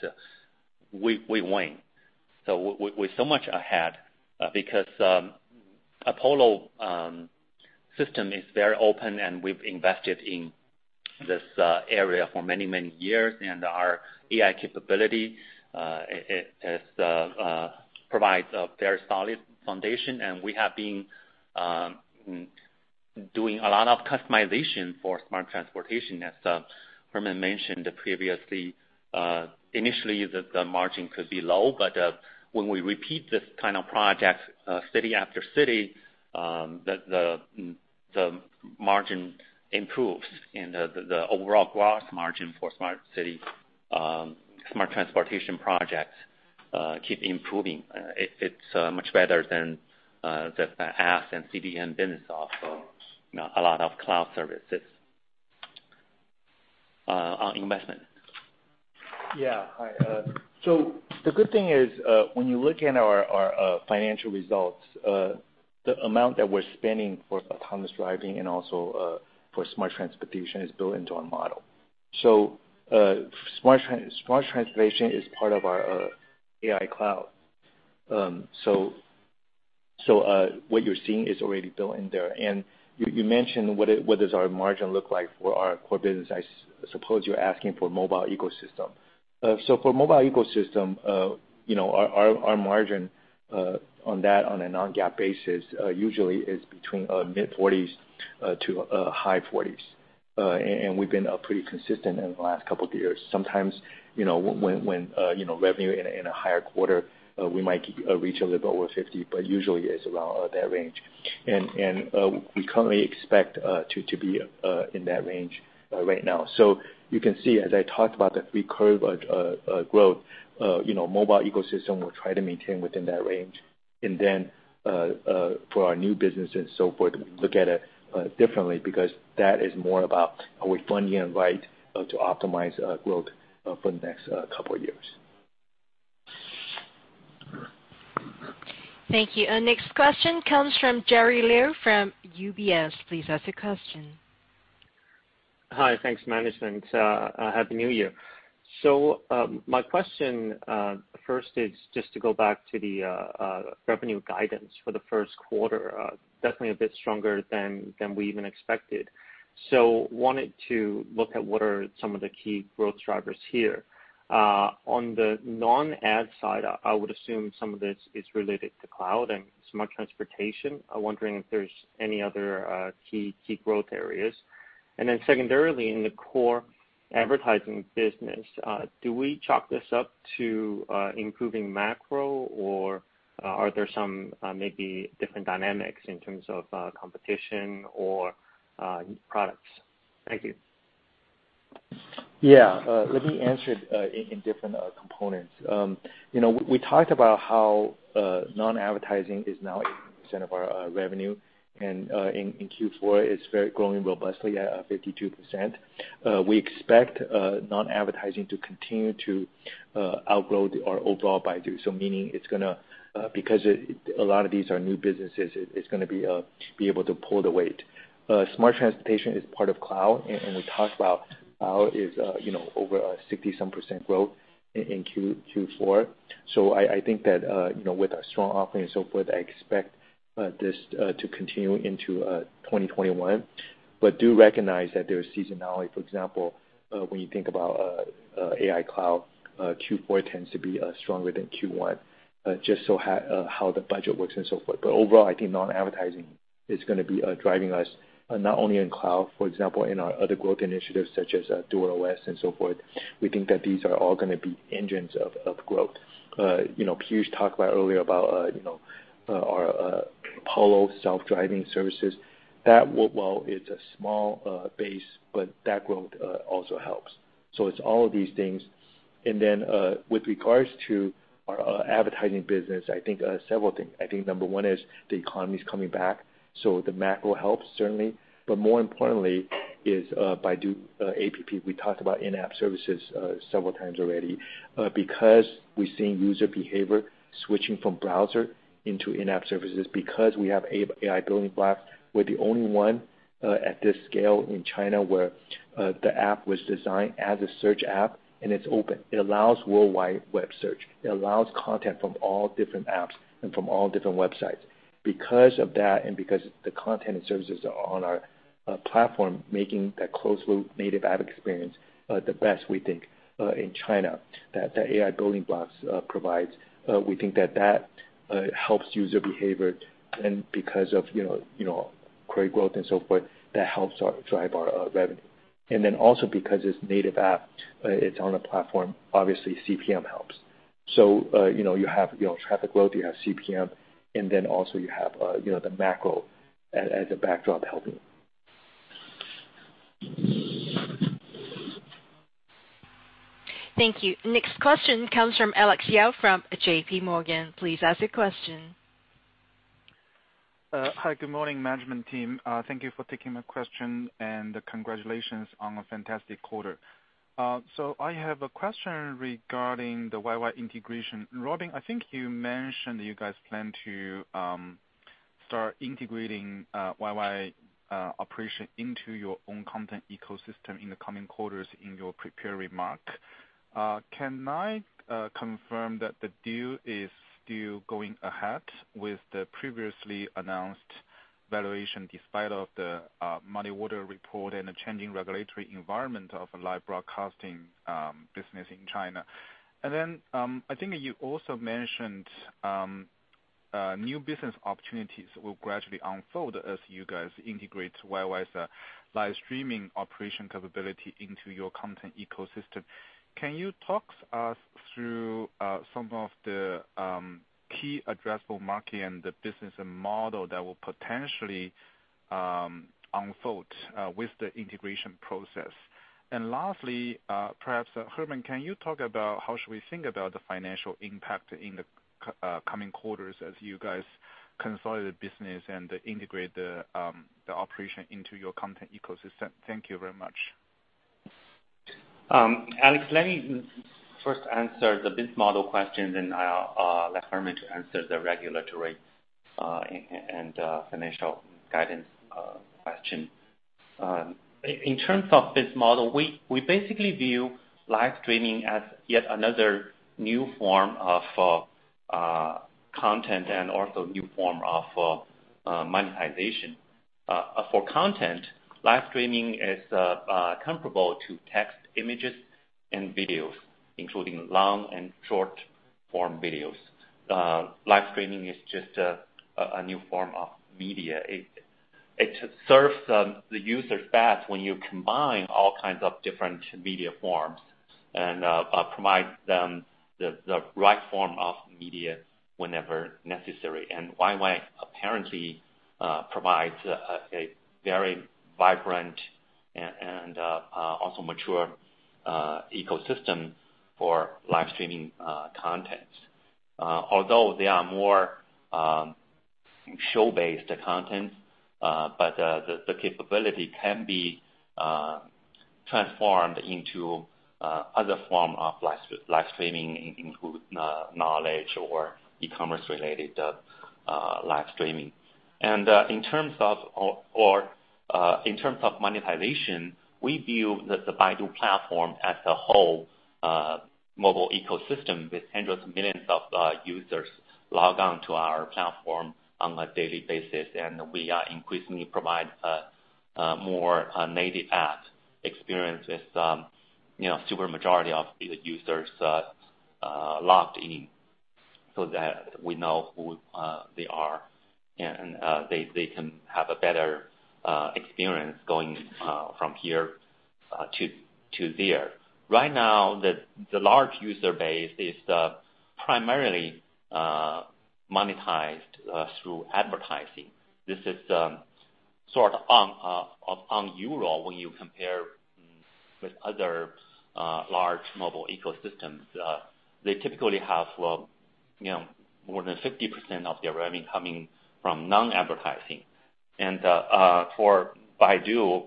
we win. We're so much ahead because Apollo system is very open, and we've invested in this area for many, many years, and our AI capability provides a very solid foundation, and we have been doing a lot of customization for smart transportation. As Herman mentioned previously, initially the margin could be low, but when we repeat this kind of project city after city, the margin improves and the overall gross margin for smart city, smart transportation projects keep improving. It's much better than the ads and CDN business also, a lot of cloud services. On investment. The good thing is when you look in our financial results, the amount that we're spending for autonomous driving and also for smart transportation is built into our model. Smart transportation is part of our Baidu AI Cloud. What you're seeing is already built in there. You mentioned what does our margin look like for our core business, I suppose you're asking for mobile ecosystem. For mobile ecosystem, our margin on that on a non-GAAP basis usually is between mid-40%s to high 40%s. We've been pretty consistent in the last couple of years. Sometimes, when revenue in a higher quarter, we might reach a little bit over 50%, but usually it's around that range. We currently expect to be in that range right now. You can see, as I talked about the three curve growth, mobile ecosystem will try to maintain within that range. For our new business and so forth, we look at it differently because that is more about are we funding it right to optimize growth for the next couple of years. Thank you. Our next question comes from Jerry Liu from UBS. Please ask your question. Hi. Thanks, management. Happy New Year. My question, first is just to go back to the revenue guidance for the first quarter. Definitely a bit stronger than we even expected. Wanted to look at what are some of the key growth drivers here. On the non-ad side, I would assume some of this is related to cloud and smart transportation. I'm wondering if there's any other key growth areas. Secondarily, in the core advertising business, do we chalk this up to improving macro or are there some maybe different dynamics in terms of competition or products? Thank you. Yeah. Let me answer it in different components. We talked about how non-advertising is now 18% of our revenue, and in Q4, it's growing robustly at 52%. We expect non-advertising to continue to outgrow our overall Baidu. Meaning, because a lot of these are new businesses, it's going to be able to pull the weight. Smart Transportation is part of Cloud, and we talked about Cloud is over 60%-some growth in Q4. I think that with our strong offering and so forth, I expect this to continue into 2021. Do recognize that there is seasonality, for example, when you think about AI Cloud, Q4 tends to be stronger than Q1, just so how the budget works and so forth. Overall, I think non-advertising is going to be driving us not only in cloud, for example, in our Other Growth Initiatives such as DuerOS and so forth. We think that these are all going to be engines of growth. Piyush talked about earlier about our Apollo Self-Driving services. That while it's a small base, but that growth also helps. It's all of these things. With regards to our advertising business, I think several things. I think number one is the economy's coming back, so the macro helps certainly. More importantly is Baidu App. We talked about in-app services several times already. We're seeing user behavior switching from browser into in-app services, because we have AI building blocks, we're the only one at this scale in China where the app was designed as a search app and it's open. It allows worldwide web search. It allows content from all different apps and from all different websites. Because of that and because the content and services are on our platform, making that closed loop native app experience the best we think in China, that AI building blocks provides. We think that that helps user behavior and because of query growth and so forth, that helps drive our revenue. Then also because it's native app, it's on a platform, obviously CPM helps. You have traffic growth, you have CPM, and then also you have the macro as a backdrop helping. Thank you. Next question comes from Alex Yao from JPMorgan. Please ask your question. Hi, good morning, management team. Thank you for taking my question. Congratulations on a fantastic quarter. I have a question regarding the YY integration. Robin, I think you mentioned that you guys plan to start integrating YY operation into your own content ecosystem in the coming quarters in your prepared remark. Can I confirm that the deal is still going ahead with the previously announced valuation despite of the Muddy Waters report and the changing regulatory environment of live broadcasting business in China? I think you also mentioned new business opportunities will gradually unfold as you guys integrate YY's live streaming operation capability into your content ecosystem. Can you talk us through some of the key addressable market and the business and model that will potentially unfold with the integration process? Lastly, perhaps, Herman, can you talk about how should we think about the financial impact in the coming quarters as you guys consolidate business and integrate the operation into your content ecosystem? Thank you very much. Alex, let me first answer the biz model question, then I'll let Herman answer the regulatory and financial guidance question. In terms of biz model, we basically view live streaming as yet another new form of content and also new form of monetization. For content, live streaming is comparable to text images and videos, including long and short-form videos. Live streaming is just a new form of media. It serves the users best when you combine all kinds of different media forms and provides them the right form of media whenever necessary. YY apparently provides a very vibrant and also mature ecosystem for live streaming content. Although they are more show-based content, but the capability can be transformed into other form of live streaming, including knowledge or e-commerce related live streaming. In terms of monetization, we view the Baidu platform as a whole mobile ecosystem, with hundreds of millions of users log on to our platform on a daily basis, and we are increasingly provide more native app experience as super majority of the users logged in, so that we know who they are and they can have a better experience going from here to there. Right now, the large user base is primarily monetized through advertising. This is sort of unusual when you compare with other large mobile ecosystems. They typically have more than 50% of their revenue coming from non-advertising. For Baidu,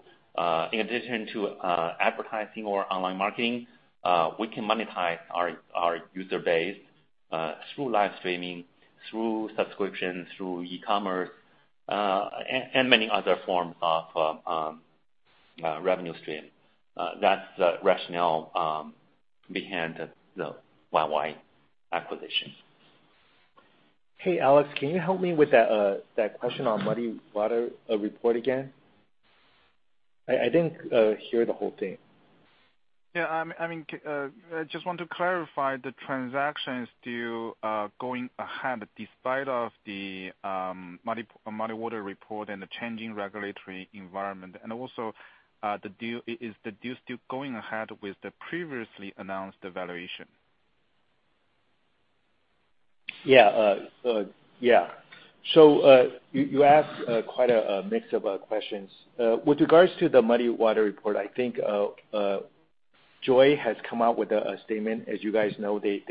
in addition to advertising or online marketing, we can monetize our user base through live streaming, through subscription, through e-commerce, and many other form of revenue stream. That's the rationale behind the YY acquisition. Hey, Alex, can you help me with that question on Muddy Waters report again? I didn't hear the whole thing. I just want to clarify the transaction still going ahead despite of the Muddy Waters report and the changing regulatory environment. Also, is the deal still going ahead with the previously announced valuation? Yeah. You asked quite a mix of questions. With regards to the Muddy Waters report, I think JOYY has come out with a statement. As you guys know, they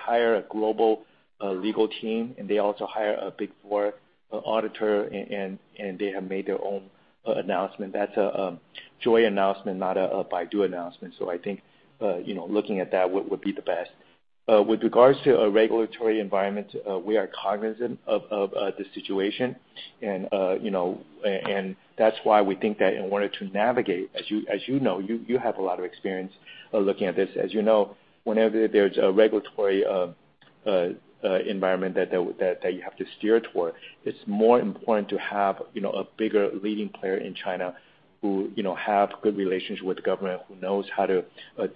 hire a global legal team, and they also hire a Big Four auditor, and they have made their own announcement. That's a JOYY announcement, not a Baidu announcement, so I think looking at that would be the best. With regards to regulatory environment, we are cognizant of the situation, and that's why we think that. As you know, you have a lot of experience looking at this. As you know, whenever there's a regulatory environment that you have to steer toward, it's more important to have a bigger leading player in China who have good relationship with the government, who knows how to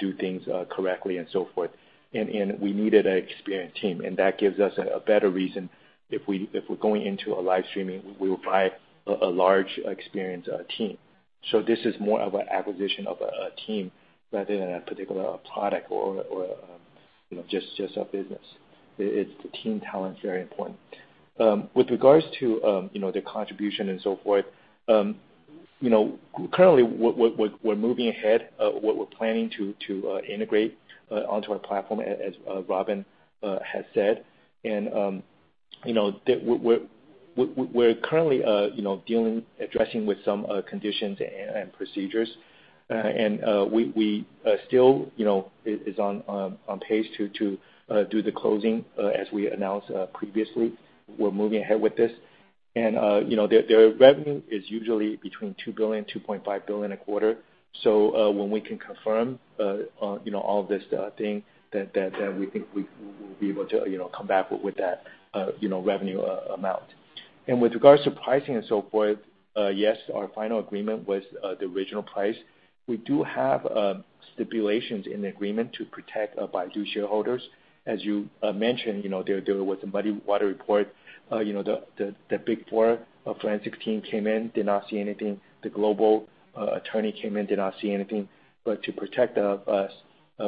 do things correctly and so forth. We needed an experienced team, and that gives us a better reason if we're going into a live streaming, we will buy a large experienced team. This is more of an acquisition of a team rather than a particular product or just our business. It's the team talent's very important. With regards to their contribution and so forth, currently we're moving ahead, what we're planning to integrate onto our platform, as Robin has said. We're currently dealing, addressing with some conditions and procedures. We still, it's on pace to do the closing as we announced previously. We're moving ahead with this. Their revenue is usually between 2 billion-2.5 billion a quarter. When we can confirm all of this thing then we think we'll be able to come back with that revenue amount. With regards to pricing and so forth, yes, our final agreement was the original price. We do have stipulations in the agreement to protect Baidu shareholders. As you mentioned, they were doing with the Muddy Waters report. The Big Four forensics team came in, did not see anything. The global attorney came in, did not see anything. To protect us,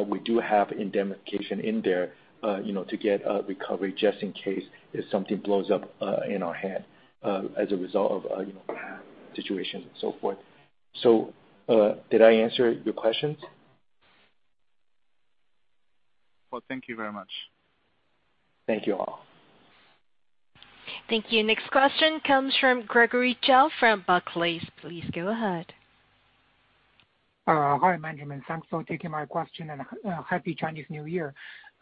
we do have indemnification in there to get recovery just in case if something blows up in our hand as a result of situation and so forth. Did I answer your questions? Thank you very much. Thank you all. Thank you. Next question comes from Gregory Zhao from Barclays. Please go ahead. Hi, management. Thanks for taking my question and Happy Chinese New Year.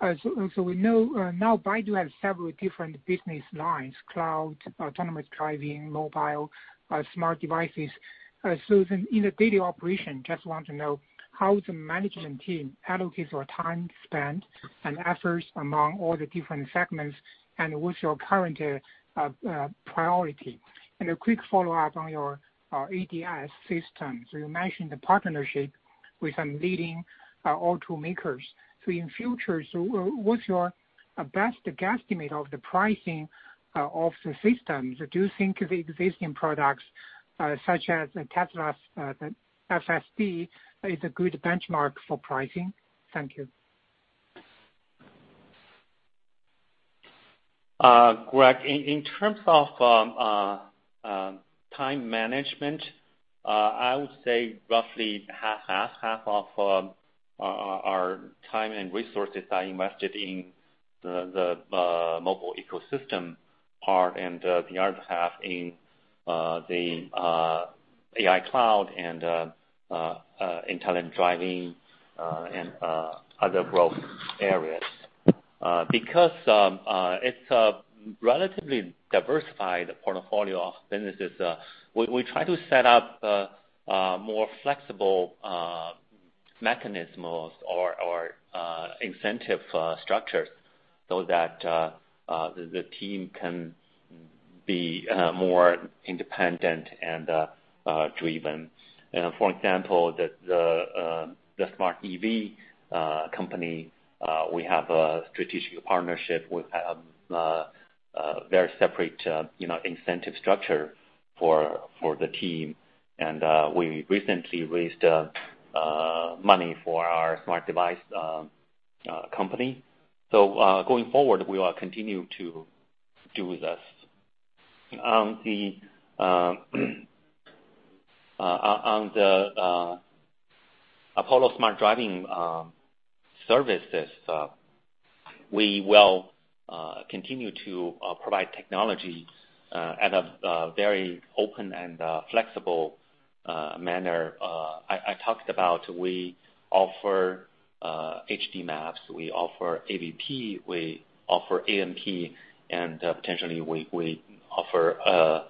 We know now Baidu has several different business lines, Cloud, Autonomous Driving, Mobile Smart Devices. In the daily operation, just want to know how the management team allocates your time spent and efforts among all the different segments, and what's your current priority? A quick follow-up on your ADAS system. You mentioned the partnership with some leading automakers. In future, what's your best guesstimate of the pricing of the systems? Do you think the existing products such as Tesla's FSD is a good benchmark for pricing? Thank you. Greg, in terms of time management, I would say roughly half-half. It's a relatively diversified portfolio of businesses, we try to set up more flexible mechanisms or incentive structures so that the team can be more independent and driven. For example, the smart EV company we have a strategic partnership with very separate incentive structure for the team. We recently raised money for our smart device company. Going forward, we will continue to do this. On the Apollo smart driving services, we will continue to provide technology at a very open and flexible manner. I talked about we offer HD maps, we offer AVP, we offer ANP, potentially we offer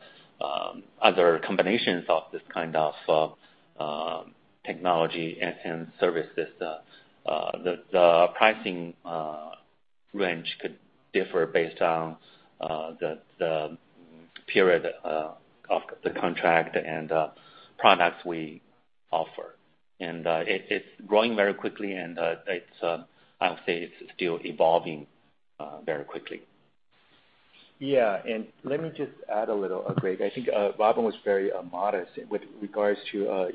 other combinations of this kind of technology and services. The pricing range could differ based on the period of the contract and products we offer. It's growing very quickly, and I'll say it's still evolving very quickly. Yeah, let me just add a little, Greg. I think Robin was very modest with regards to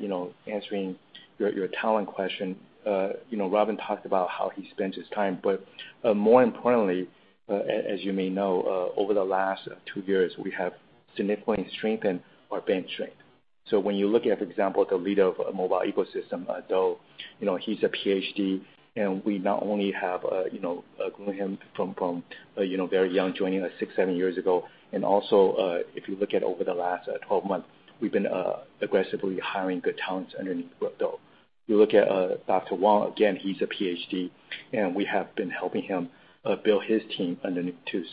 answering your talent question. Robin talked about how he spends his time, more importantly, as you may know, over the last two years, we have significantly strengthened our bench strength. When you look at, for example, the leader of a mobile ecosystem, Dou he's a PhD, and we not only have grown him from very young joining us six, seven years ago, and also if you look at over the last 12 months, we've been aggressively hiring good talents underneath growth. You look at Haifeng Wang, again, he's a PhD, and we have been helping him build his team underneath too.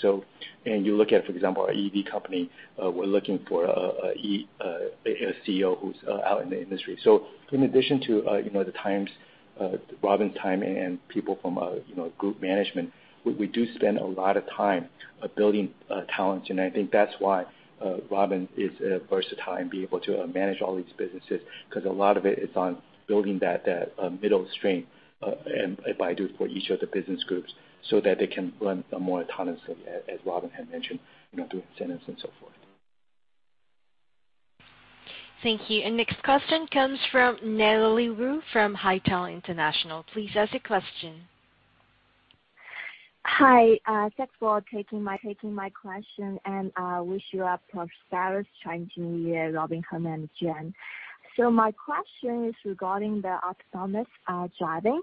You look at, for example, our EV company, we're looking for a CEO who's out in the industry. In addition to Robin's time and people from group management, we do spend a lot of time building talent, and I think that's why Robin is versatile and being able to manage all these businesses, because a lot of it is on building that middle strength at Baidu for each of the business groups so that they can run more autonomously, as Robin had mentioned, through incentives and so forth. Thank you. Next question comes from Natalie Wu from Haitong International. Please ask the question. Hi, thanks for taking my question. Wish you a prosperous Chinese New Year, Robin, Herman, and Shen. My question is regarding the autonomous driving.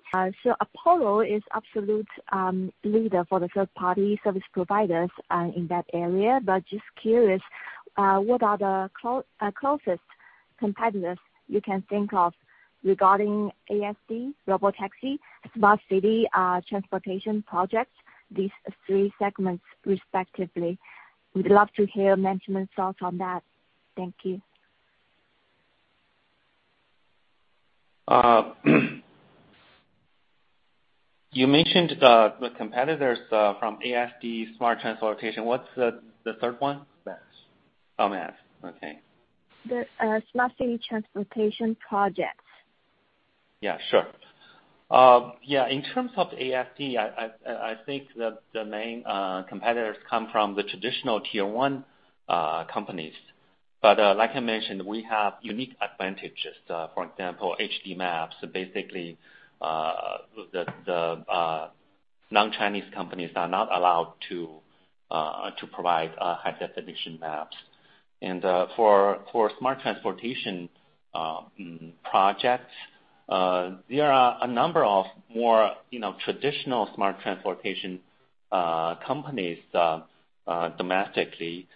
Apollo is absolute leader for the third-party service providers in that area. Just curious, what are the closest competitors you can think of regarding ASD, robotaxi, smart city transportation projects, these three segments respectively. We'd love to hear management's thoughts on that. Thank you. You mentioned the competitors from ADAS, smart transportation. What's the third one? MaaS. Oh, MaaS. Okay. The smart city transportation projects. Yeah, sure. Yeah, in terms of ASD, I think that the main competitors come from the traditional tier-one companies. Like I mentioned, we have unique advantages. For example, HD maps. Basically, the non-Chinese companies are not allowed to provide high-definition maps. For smart transportation projects, there are a number of more traditional smart transportation companies domestically.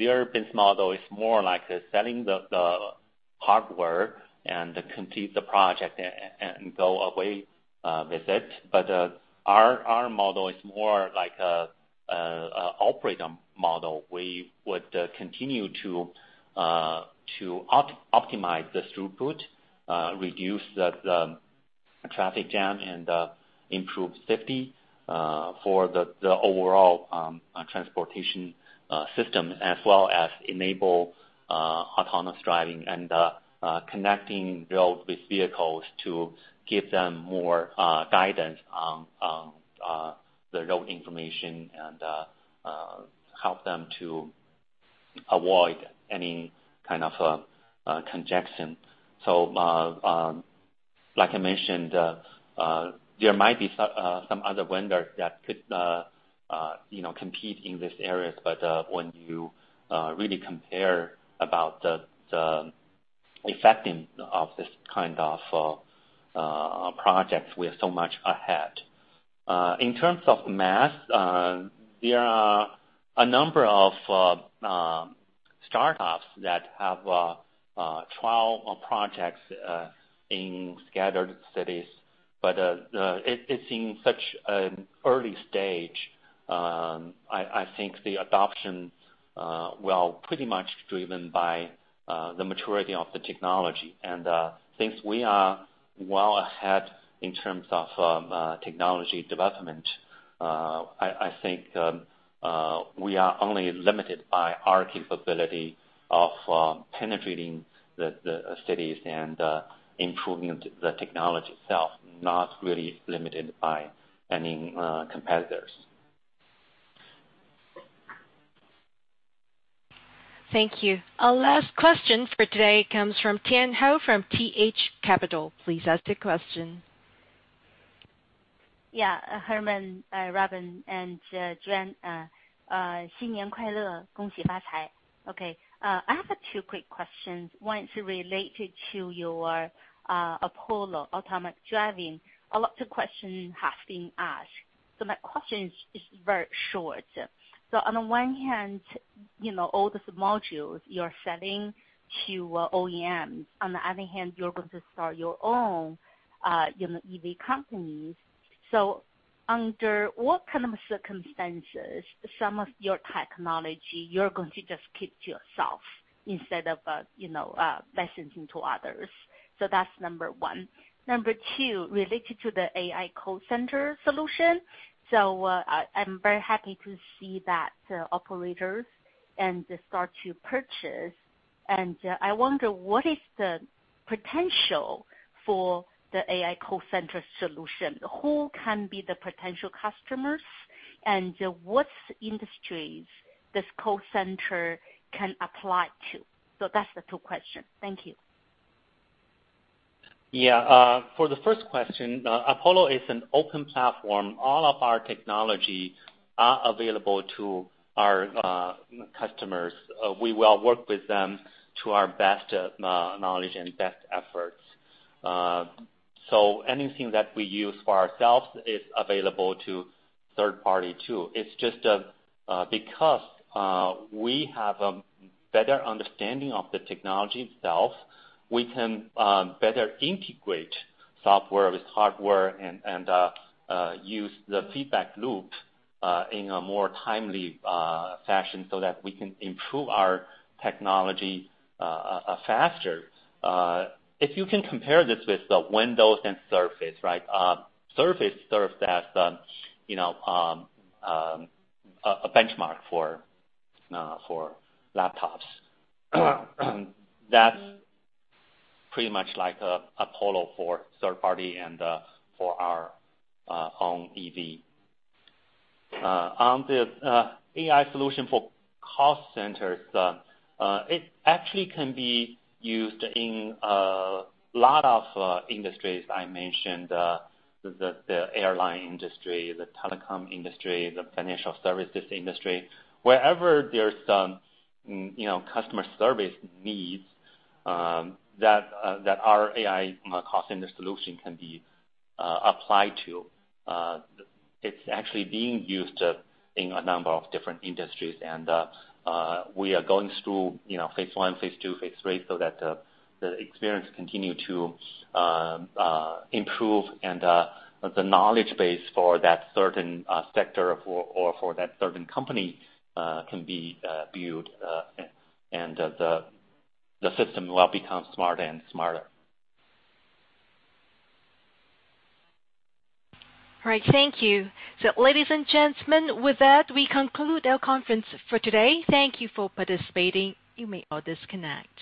Their business model is more like selling the hardware and complete the project and go away with it. Our model is more like a operate model. We would continue to optimize this throughput, reduce the traffic jam, and improve safety for the overall transportation system, as well as enable autonomous driving and connecting roads with vehicles to give them more guidance on the road information and help them to avoid any kind of congestion. Like I mentioned, there might be some other vendors that could compete in these areas. When you really compare about the effectiveness of this kind of projects, we are so much ahead. In terms of MaaS, there are a number of startups that have trial projects in scattered cities. It's in such an early stage. I think the adoption will pretty much be driven by the maturity of the technology. Since we are well ahead in terms of technology development, I think we are only limited by our capability of penetrating the cities and improving the technology itself, not really limited by any competitors. Thank you. Our last question for today comes from Tian Hou from T.H. Capital. Please ask the question. Yeah. Herman, Robin, and Shen. Okay. I have two quick questions. One is related to your Apollo autonomous driving. A lot of questions have been asked, my question is very short. On one hand, all these modules you're selling to OEMs. On the other hand, you're going to start your own EV company. Under what kind of circumstances, some of your technology, you're going to just keep to yourself instead of licensing to others? That's number one. Number two, related to the AI call center solution. I'm very happy to see that operators and start to purchase, and I wonder what is the potential for the AI call center solution? Who can be the potential customers, and what industries this call center can apply to? That's the two questions. Thank you. For the first question, Apollo is an open platform. All of our technology are available to our customers. We will work with them to our best knowledge and best efforts. Anything that we use for ourselves is available to third party, too. It's just because we have a better understanding of the technology itself, we can better integrate software with hardware and use the feedback loop in a more timely fashion so that we can improve our technology faster. If you can compare this with the Windows and Surface, right? Surface serves as a benchmark for laptops. That's pretty much like Apollo for third party and for our own EV. On the AI solution for call centers, it actually can be used in a lot of industries. I mentioned the airline industry, the telecom industry, the financial services industry. Wherever there's customer service needs that our AI call center solution can be applied to. It's actually being used in a number of different industries. We are going through phase I, phase II, phase III so that the experience continue to improve and the knowledge base for that certain sector or for that certain company can be viewed, and the system will become smarter and smarter. All right. Thank you. Ladies and gentlemen, with that, we conclude our conference for today. Thank you for participating. You may all disconnect.